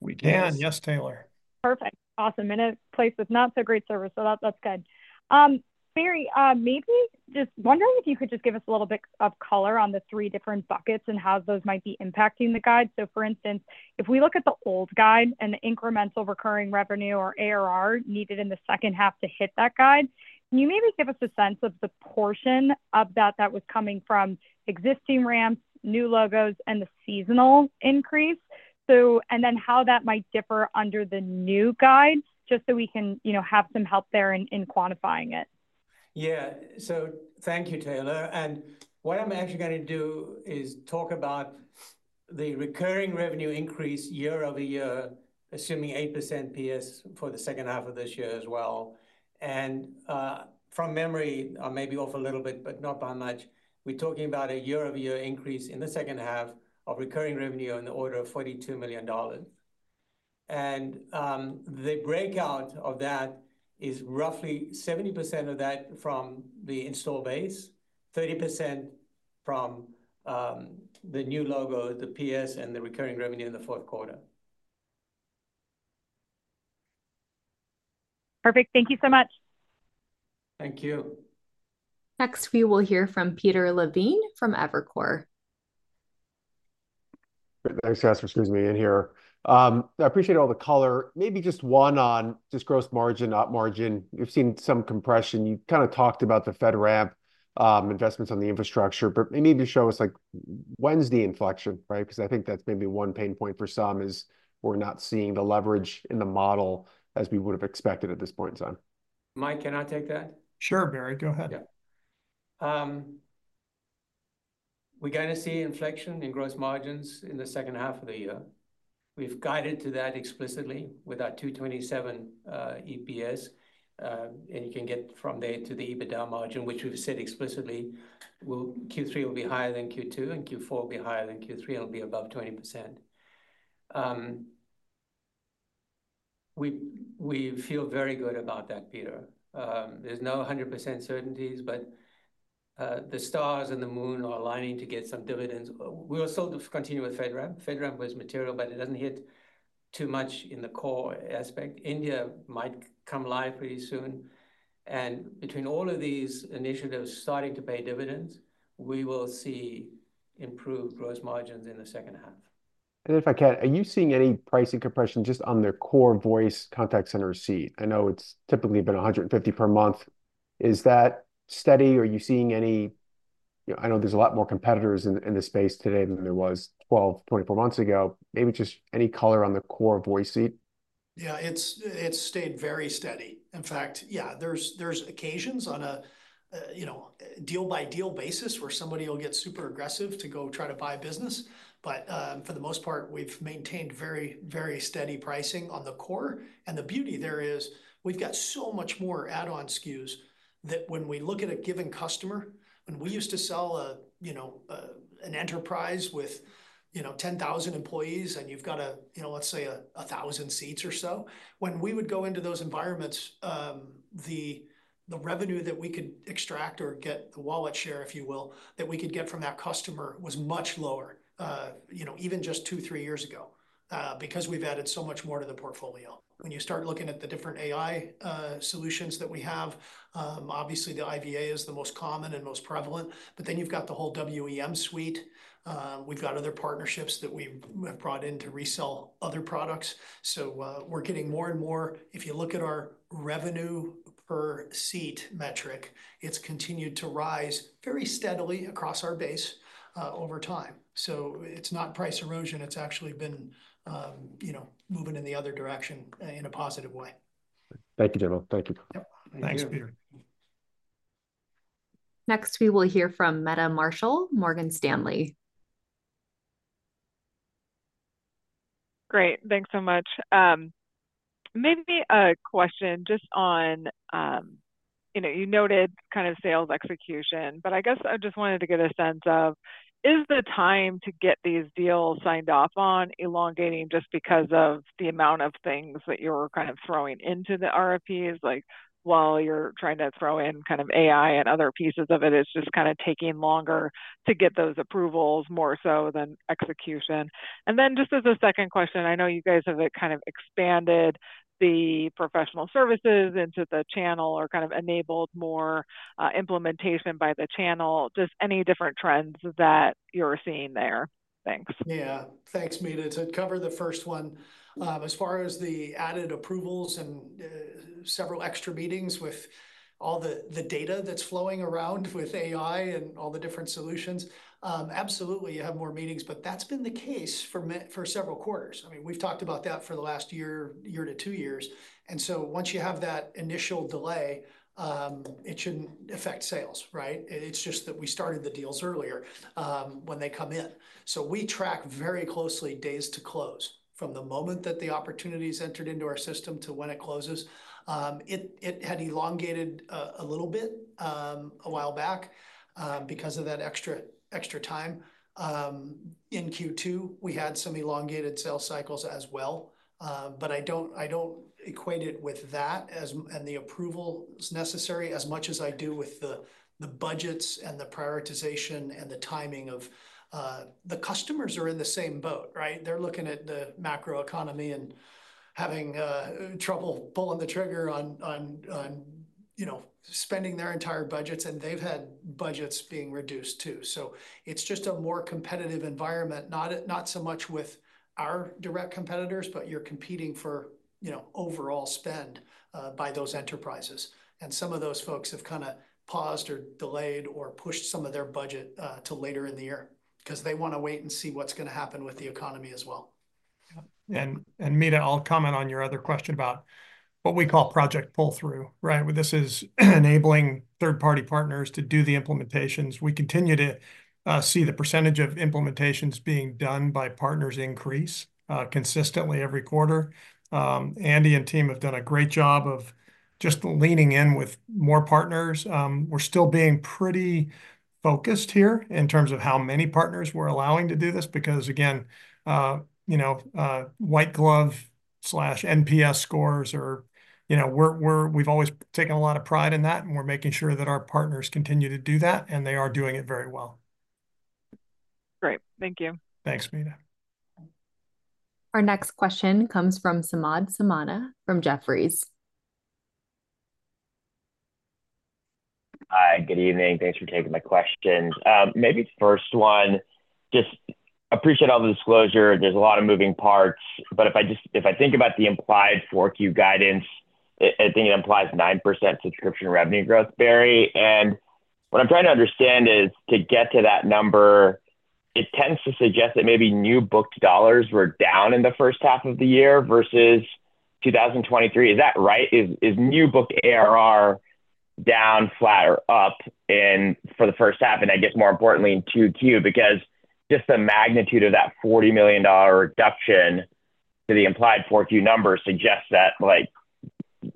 We can. Yes, Taylor. Perfect. Awesome. I'm in a place with not so great service, so that, that's good. Barry, maybe just wondering if you could just give us a little bit of color on the three different buckets and how those might be impacting the guide. So, for instance, if we look at the old guide and the incremental recurring revenue, or ARR, needed in the second half to hit that guide, can you maybe give us a sense of the portion of that that was coming from existing ramps, new logos, and the seasonal increase? So, and then how that might differ under the new guide, just so we can, you know, have some help there in quantifying it. Yeah. So thank you, Taylor, and what I'm actually gonna do is talk about the recurring revenue increase year over year, assuming 8% PS for the second half of this year as well. And from memory, I may be off a little bit, but not by much, we're talking about a year-over-year increase in the second half of recurring revenue on the order of $42 million. And the breakout of that is roughly 70% of that from the install base, 30% from the new logo, the PS, and the recurring revenue in the fourth quarter. Perfect. Thank you so much. Thank you. Next, we will hear from Peter Levine from Evercore. Thanks, guys, for squeezing me in here. I appreciate all the color. Maybe just one on just gross margin, op margin. We've seen some compression. You kind of talked about the FedRAMP investments on the infrastructure, but maybe show us, like, when's the inflection, right? Because I think that's maybe one pain point for some, is we're not seeing the leverage in the model as we would have expected at this point in time. Mike, can I take that? Sure, Barry, go ahead. Yeah. We're gonna see inflection in gross margins in the second half of the year. We've guided to that explicitly with our $2.27 EPS, and you can get from there to the EBITDA margin, which we've said explicitly, Q3 will be higher than Q2, and Q4 will be higher than Q3, and it'll be above 20%. We feel very good about that, Peter. There's no 100% certainties, but the stars and the moon are aligning to get some dividends. We are still to continue with FedRAMP. FedRAMP was material, but it doesn't hit too much in the core aspect. India might come live pretty soon, and between all of these initiatives starting to pay dividends, we will see improved gross margins in the second half. If I can, are you seeing any pricing compression just on the core voice contact center seat? I know it's typically been $150 per month. Is that steady, or are you seeing any... You know, I know there's a lot more competitors in, in this space today than there was 12-24 months ago. Maybe just any color on the core voice seat?... Yeah, it's stayed very steady. In fact, yeah, there's occasions on a you know deal-by-deal basis where somebody will get super aggressive to go try to buy a business. But for the most part, we've maintained very, very steady pricing on the core. And the beauty there is, we've got so much more add-on SKUs, that when we look at a given customer, when we used to sell a you know an enterprise with you know 10,000 employees, and you've got a you know let's say a 1,000 seats or so, when we would go into those environments, the revenue that we could extract or get the wallet share, if you will, that we could get from that customer was much lower you know even just 2-3 years ago because we've added so much more to the portfolio. When you start looking at the different AI solutions that we have, obviously, the IVA is the most common and most prevalent, but then you've got the whole WEM suite. We've got other partnerships that we've brought in to resell other products. So, we're getting more and more... If you look at our revenue per seat metric, it's continued to rise very steadily across our base over time. So it's not price erosion, it's actually been, you know, moving in the other direction in a positive way. Thank you, gentlemen. Thank you. Yep. Thanks, Peter. Next, we will hear from Meta Marshall, Morgan Stanley. Great. Thanks so much. Maybe a question just on, you know, you noted kind of sales execution, but I guess I just wanted to get a sense of, is the time to get these deals signed off on elongating just because of the amount of things that you're kind of throwing into the RFPs? Like, while you're trying to throw in kind of AI and other pieces of it, it's just kinda taking longer to get those approvals more so than execution. And then just as a second question, I know you guys have kind of expanded the professional services into the channel or kind of enabled more, implementation by the channel. Just any different trends that you're seeing there? Thanks. Yeah. Thanks, Meta. To cover the first one, as far as the added approvals and several extra meetings with all the data that's flowing around with AI and all the different solutions, absolutely, you have more meetings, but that's been the case for me for several quarters. I mean, we've talked about that for the last year or two years. And so once you have that initial delay, it shouldn't affect sales, right? It's just that we started the deals earlier when they come in. So we track very closely days to close, from the moment that the opportunity is entered into our system to when it closes. It had elongated a little bit a while back because of that extra time. In Q2, we had some elongated sales cycles as well. But I don't equate it with that as much as I do with the budgets and the prioritization and the timing of... The customers are in the same boat, right? They're looking at the macroeconomy and having trouble pulling the trigger on, you know, spending their entire budgets, and they've had budgets being reduced, too. So it's just a more competitive environment, not so much with our direct competitors, but you're competing for, you know, overall spend by those enterprises. And some of those folks have kinda paused or delayed or pushed some of their budget to later in the year, 'cause they wanna wait and see what's gonna happen with the economy as well. Yeah. And Meta, I'll comment on your other question about what we call project pull-through, right? Well, this is enabling third-party partners to do the implementations. We continue to see the percentage of implementations being done by partners increase consistently every quarter. Andy and team have done a great job of just leaning in with more partners. We're still being pretty focused here in terms of how many partners we're allowing to do this, because, again, you know, white glove/NPS scores are... You know, we've always taken a lot of pride in that, and we're making sure that our partners continue to do that, and they are doing it very well. Great. Thank you. Thanks, Meta. Our next question comes from Samad Samana from Jefferies. Hi, good evening. Thanks for taking my questions. Maybe the first one, just appreciate all the disclosure. There's a lot of moving parts, but if I just. If I think about the implied 4Q guidance, I think it implies 9% subscription revenue growth, Barry. And what I'm trying to understand is, to get to that number, it tends to suggest that maybe new booked dollars were down in the first half of the year versus 2023. Is that right? Is new booked ARR down, flat, or up in for the first half, and I guess, more importantly, in 2Q? Because just the magnitude of that $40 million reduction to the implied 4Q numbers suggests that, like,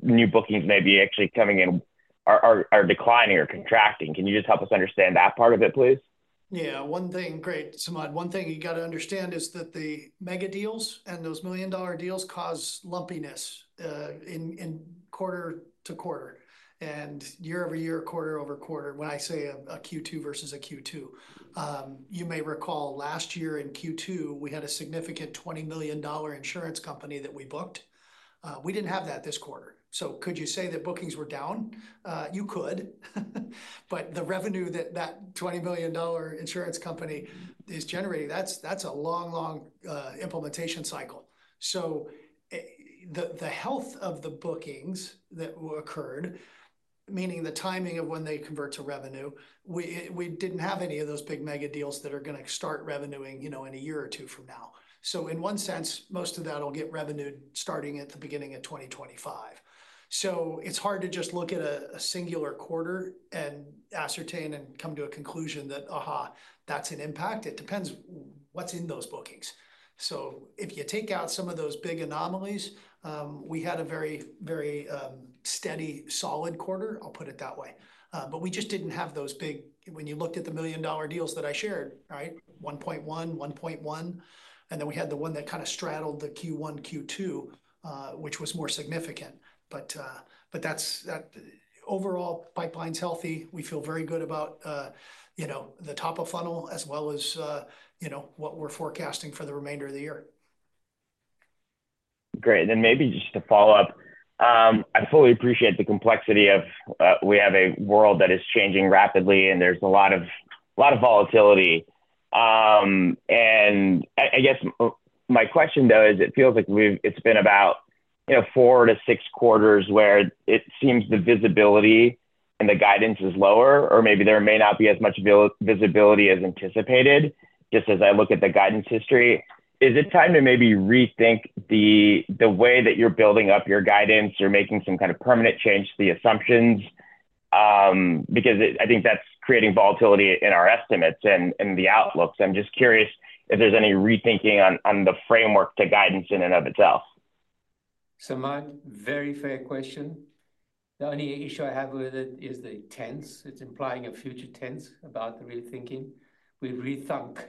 new bookings may be actually coming in are declining or contracting. Can you just help us understand that part of it, please? Yeah, one thing. Great, Samad. One thing you gotta understand is that the mega deals and those million-dollar deals cause lumpiness, in quarter to quarter, and year over year, quarter over quarter, when I say a Q2 versus a Q2. You may recall, last year in Q2, we had a significant $20 million insurance company that we booked. We didn't have that this quarter. So could you say that bookings were down? You could. But the revenue that that $20 million insurance company is generating, that's a long, long implementation cycle. So, the health of the bookings that occurred, meaning the timing of when they convert to revenue, we didn't have any of those big mega deals that are gonna start revenuing, you know, in a year or two from now. So in one sense, most of that'll get revenued starting at the beginning of 2025. So it's hard to just look at a singular quarter and ascertain and come to a conclusion that, "Aha, that's an impact." It depends what's in those bookings. So if you take out some of those big anomalies, we had a very, very steady, solid quarter, I'll put it that way. But we just didn't have those big... When you looked at the $1.1 million deals that I shared, right? $1.1 million, $1.1 million, and then we had the one that kind of straddled the Q1, Q2, which was more significant, but that's overall pipeline's healthy. We feel very good about, you know, the top of funnel as well as, you know, what we're forecasting for the remainder of the year. Great, and then maybe just to follow up, I fully appreciate the complexity of, we have a world that is changing rapidly, and there's a lot of, lot of volatility. And I guess, my question, though, is it feels like it's been about, you know, 4-6 quarters where it seems the visibility and the guidance is lower, or maybe there may not be as much visibility as anticipated, just as I look at the guidance history. Is it time to maybe rethink the, the way that you're building up your guidance or making some kind of permanent change to the assumptions? Because I think that's creating volatility in our estimates and, and the outlooks. I'm just curious if there's any rethinking on, on the framework to guidance in and of itself. Samad, very fair question. The only issue I have with it is the tense. It's implying a future tense about the rethinking. We've rethunk.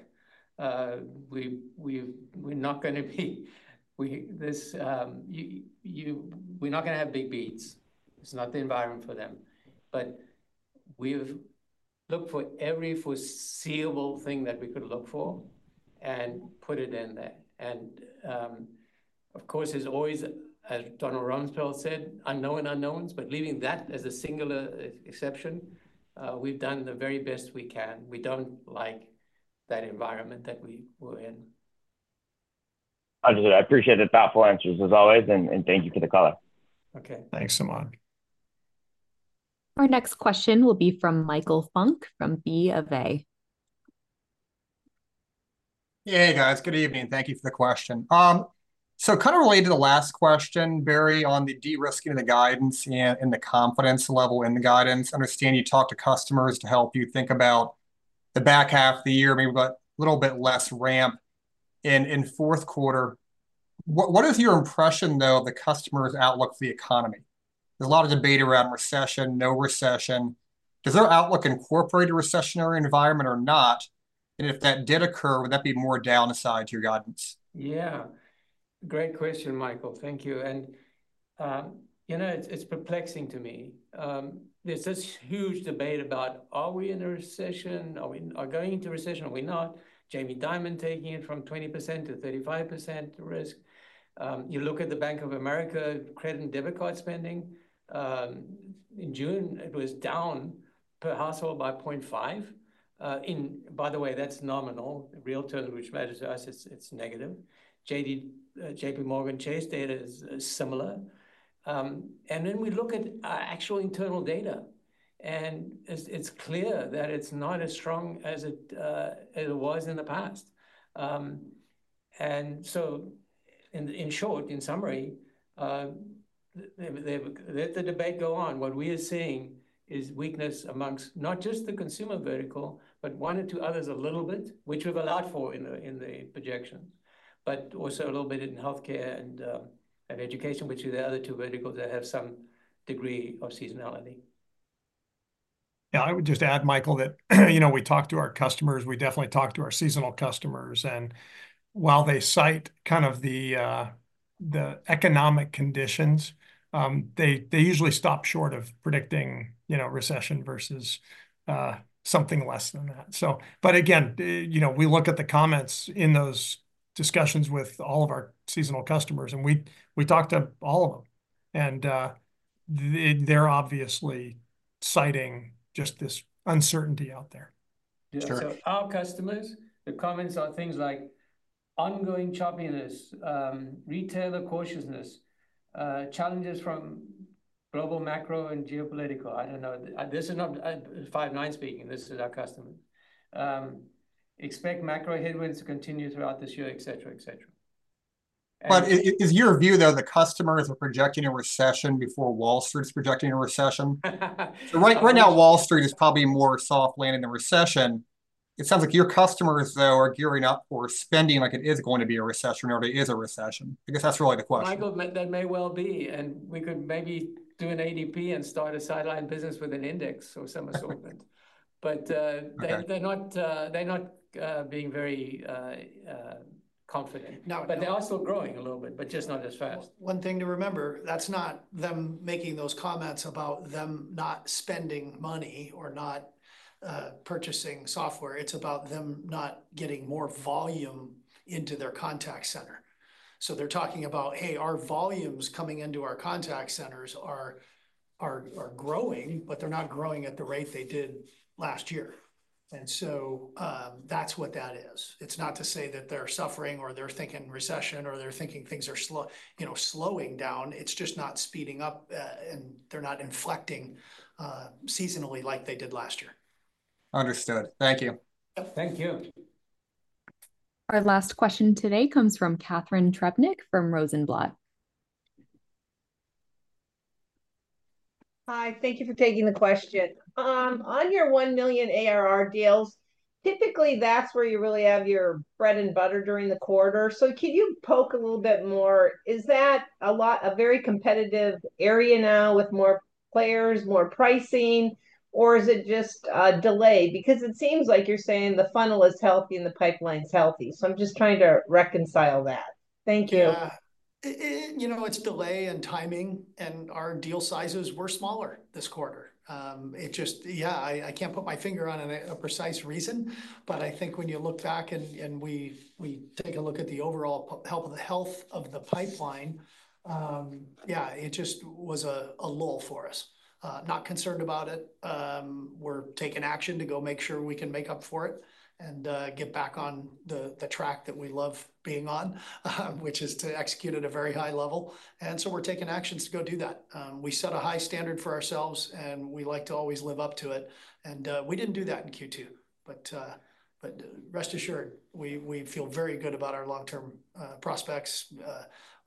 We're not gonna have big beats. It's not the environment for them. But we've looked for every foreseeable thing that we could look for and put it in there. And, of course, there's always, as Donald Rumsfeld said, "Unknown unknowns," but leaving that as a singular exception, we've done the very best we can. We don't like that environment that we're in. I just appreciate the thoughtful answers, as always, and thank you for the call. Okay. Thanks, Samad. Our next question will be from Michael Funk from BofA. Yeah, hey, guys. Good evening. Thank you for the question. So kind of related to the last question, Barry, on the de-risking of the guidance and the confidence level in the guidance, I understand you talk to customers to help you think about the back half of the year, maybe we've got a little bit less ramp in fourth quarter. What is your impression, though, of the customer's outlook for the economy? There's a lot of debate around recession, no recession. Does their outlook incorporate a recessionary environment or not? And if that did occur, would that be more a downside to your guidance? Yeah. Great question, Michael. Thank you. And, you know, it's perplexing to me. There's this huge debate about, are we in a recession? Are we, are going into recession, are we not? Jamie Dimon taking it from 20%-35% risk. You look at the Bank of America credit and debit card spending, in June, it was down per household by 0.5. And by the way, that's nominal. Real terms, which matters to us, it's negative. JPMorgan Chase data is similar. And then we look at actual internal data, and it's clear that it's not as strong as it was in the past. And so in short, in summary, they've let the debate go on. What we are seeing is weakness amongst not just the consumer vertical, but one or two others a little bit, which we've allowed for in the projections, but also a little bit in healthcare and education, which are the other two verticals that have some degree of seasonality. Yeah, I would just add, Michael, that, you know, we talk to our customers, we definitely talk to our seasonal customers, and while they cite kind of the economic conditions, they usually stop short of predicting, you know, recession versus something less than that. So, but again, you know, we look at the comments in those discussions with all of our seasonal customers, and we talk to all of them, and they, they're obviously citing just this uncertainty out there. It's true. Yeah. So our customers, the comments are things like ongoing choppiness, retailer cautiousness, challenges from global macro and geopolitical. I don't know, this is not Five9 speaking, this is our customer. Expect macro headwinds to continue throughout this year, et cetera, et cetera. And- But is your view, though, the customers are projecting a recession before Wall Street is projecting a recession? Right, right now, Wall Street is probably more soft landing the recession. It sounds like your customers, though, are gearing up for spending like it is going to be a recession or it is a recession. I guess that's really the question. Michael, that, that may well be, and we could maybe do an ADP and start a sideline business with an index of some assortment. But, Okay... they're not being very confident. No- They are still growing a little bit, but just not as fast. One thing to remember, that's not them making those comments about them not spending money or not purchasing software. It's about them not getting more volume into their contact center. So they're talking about, "Hey, our volumes coming into our contact centers are growing, but they're not growing at the rate they did last year." ... and so, that's what that is. It's not to say that they're suffering or they're thinking recession or they're thinking things are slow—you know, slowing down, it's just not speeding up, and they're not inflecting seasonally like they did last year. Understood. Thank you. Thank you. Our last question today comes from Catharine Trebnick from Rosenblatt. Hi, thank you for taking the question. On your $1 million ARR deals, typically, that's where you really have your bread and butter during the quarter. So can you poke a little bit more, is that a very competitive area now with more players, more pricing, or is it just a delay? Because it seems like you're saying the funnel is healthy and the pipeline's healthy, so I'm just trying to reconcile that. Thank you. Yeah. You know, it's delay and timing, and our deal sizes were smaller this quarter. It just... Yeah, I can't put my finger on a precise reason, but I think when you look back and we take a look at the overall health of the pipeline, yeah, it just was a lull for us. Not concerned about it. We're taking action to go make sure we can make up for it, and get back on the track that we love being on, which is to execute at a very high level, and so we're taking actions to go do that. We set a high standard for ourselves, and we like to always live up to it, and we didn't do that in Q2. But rest assured, we feel very good about our long-term prospects,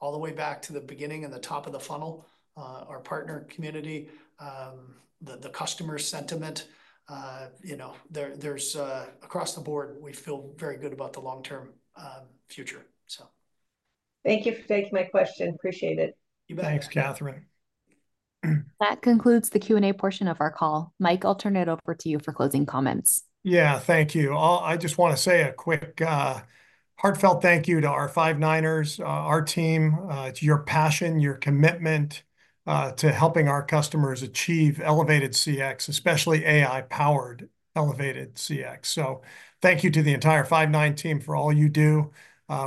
all the way back to the beginning and the top of the funnel. Our partner community, the customer sentiment, you know, there's... Across the board, we feel very good about the long-term future, so. Thank you for taking my question. Appreciate it. You bet. Thanks, Catharine. That concludes the Q&A portion of our call. Mike, I'll turn it over to you for closing comments. Yeah, thank you. I'll just wanna say a quick, heartfelt thank you to our Five9ers, our team. It's your passion, your commitment to helping our customers achieve elevated CX, especially AI-powered elevated CX. So thank you to the entire Five9 team for all you do.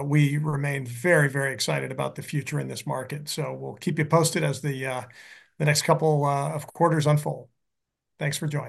We remain very, very excited about the future in this market, so we'll keep you posted as the next couple of quarters unfold. Thanks for joining.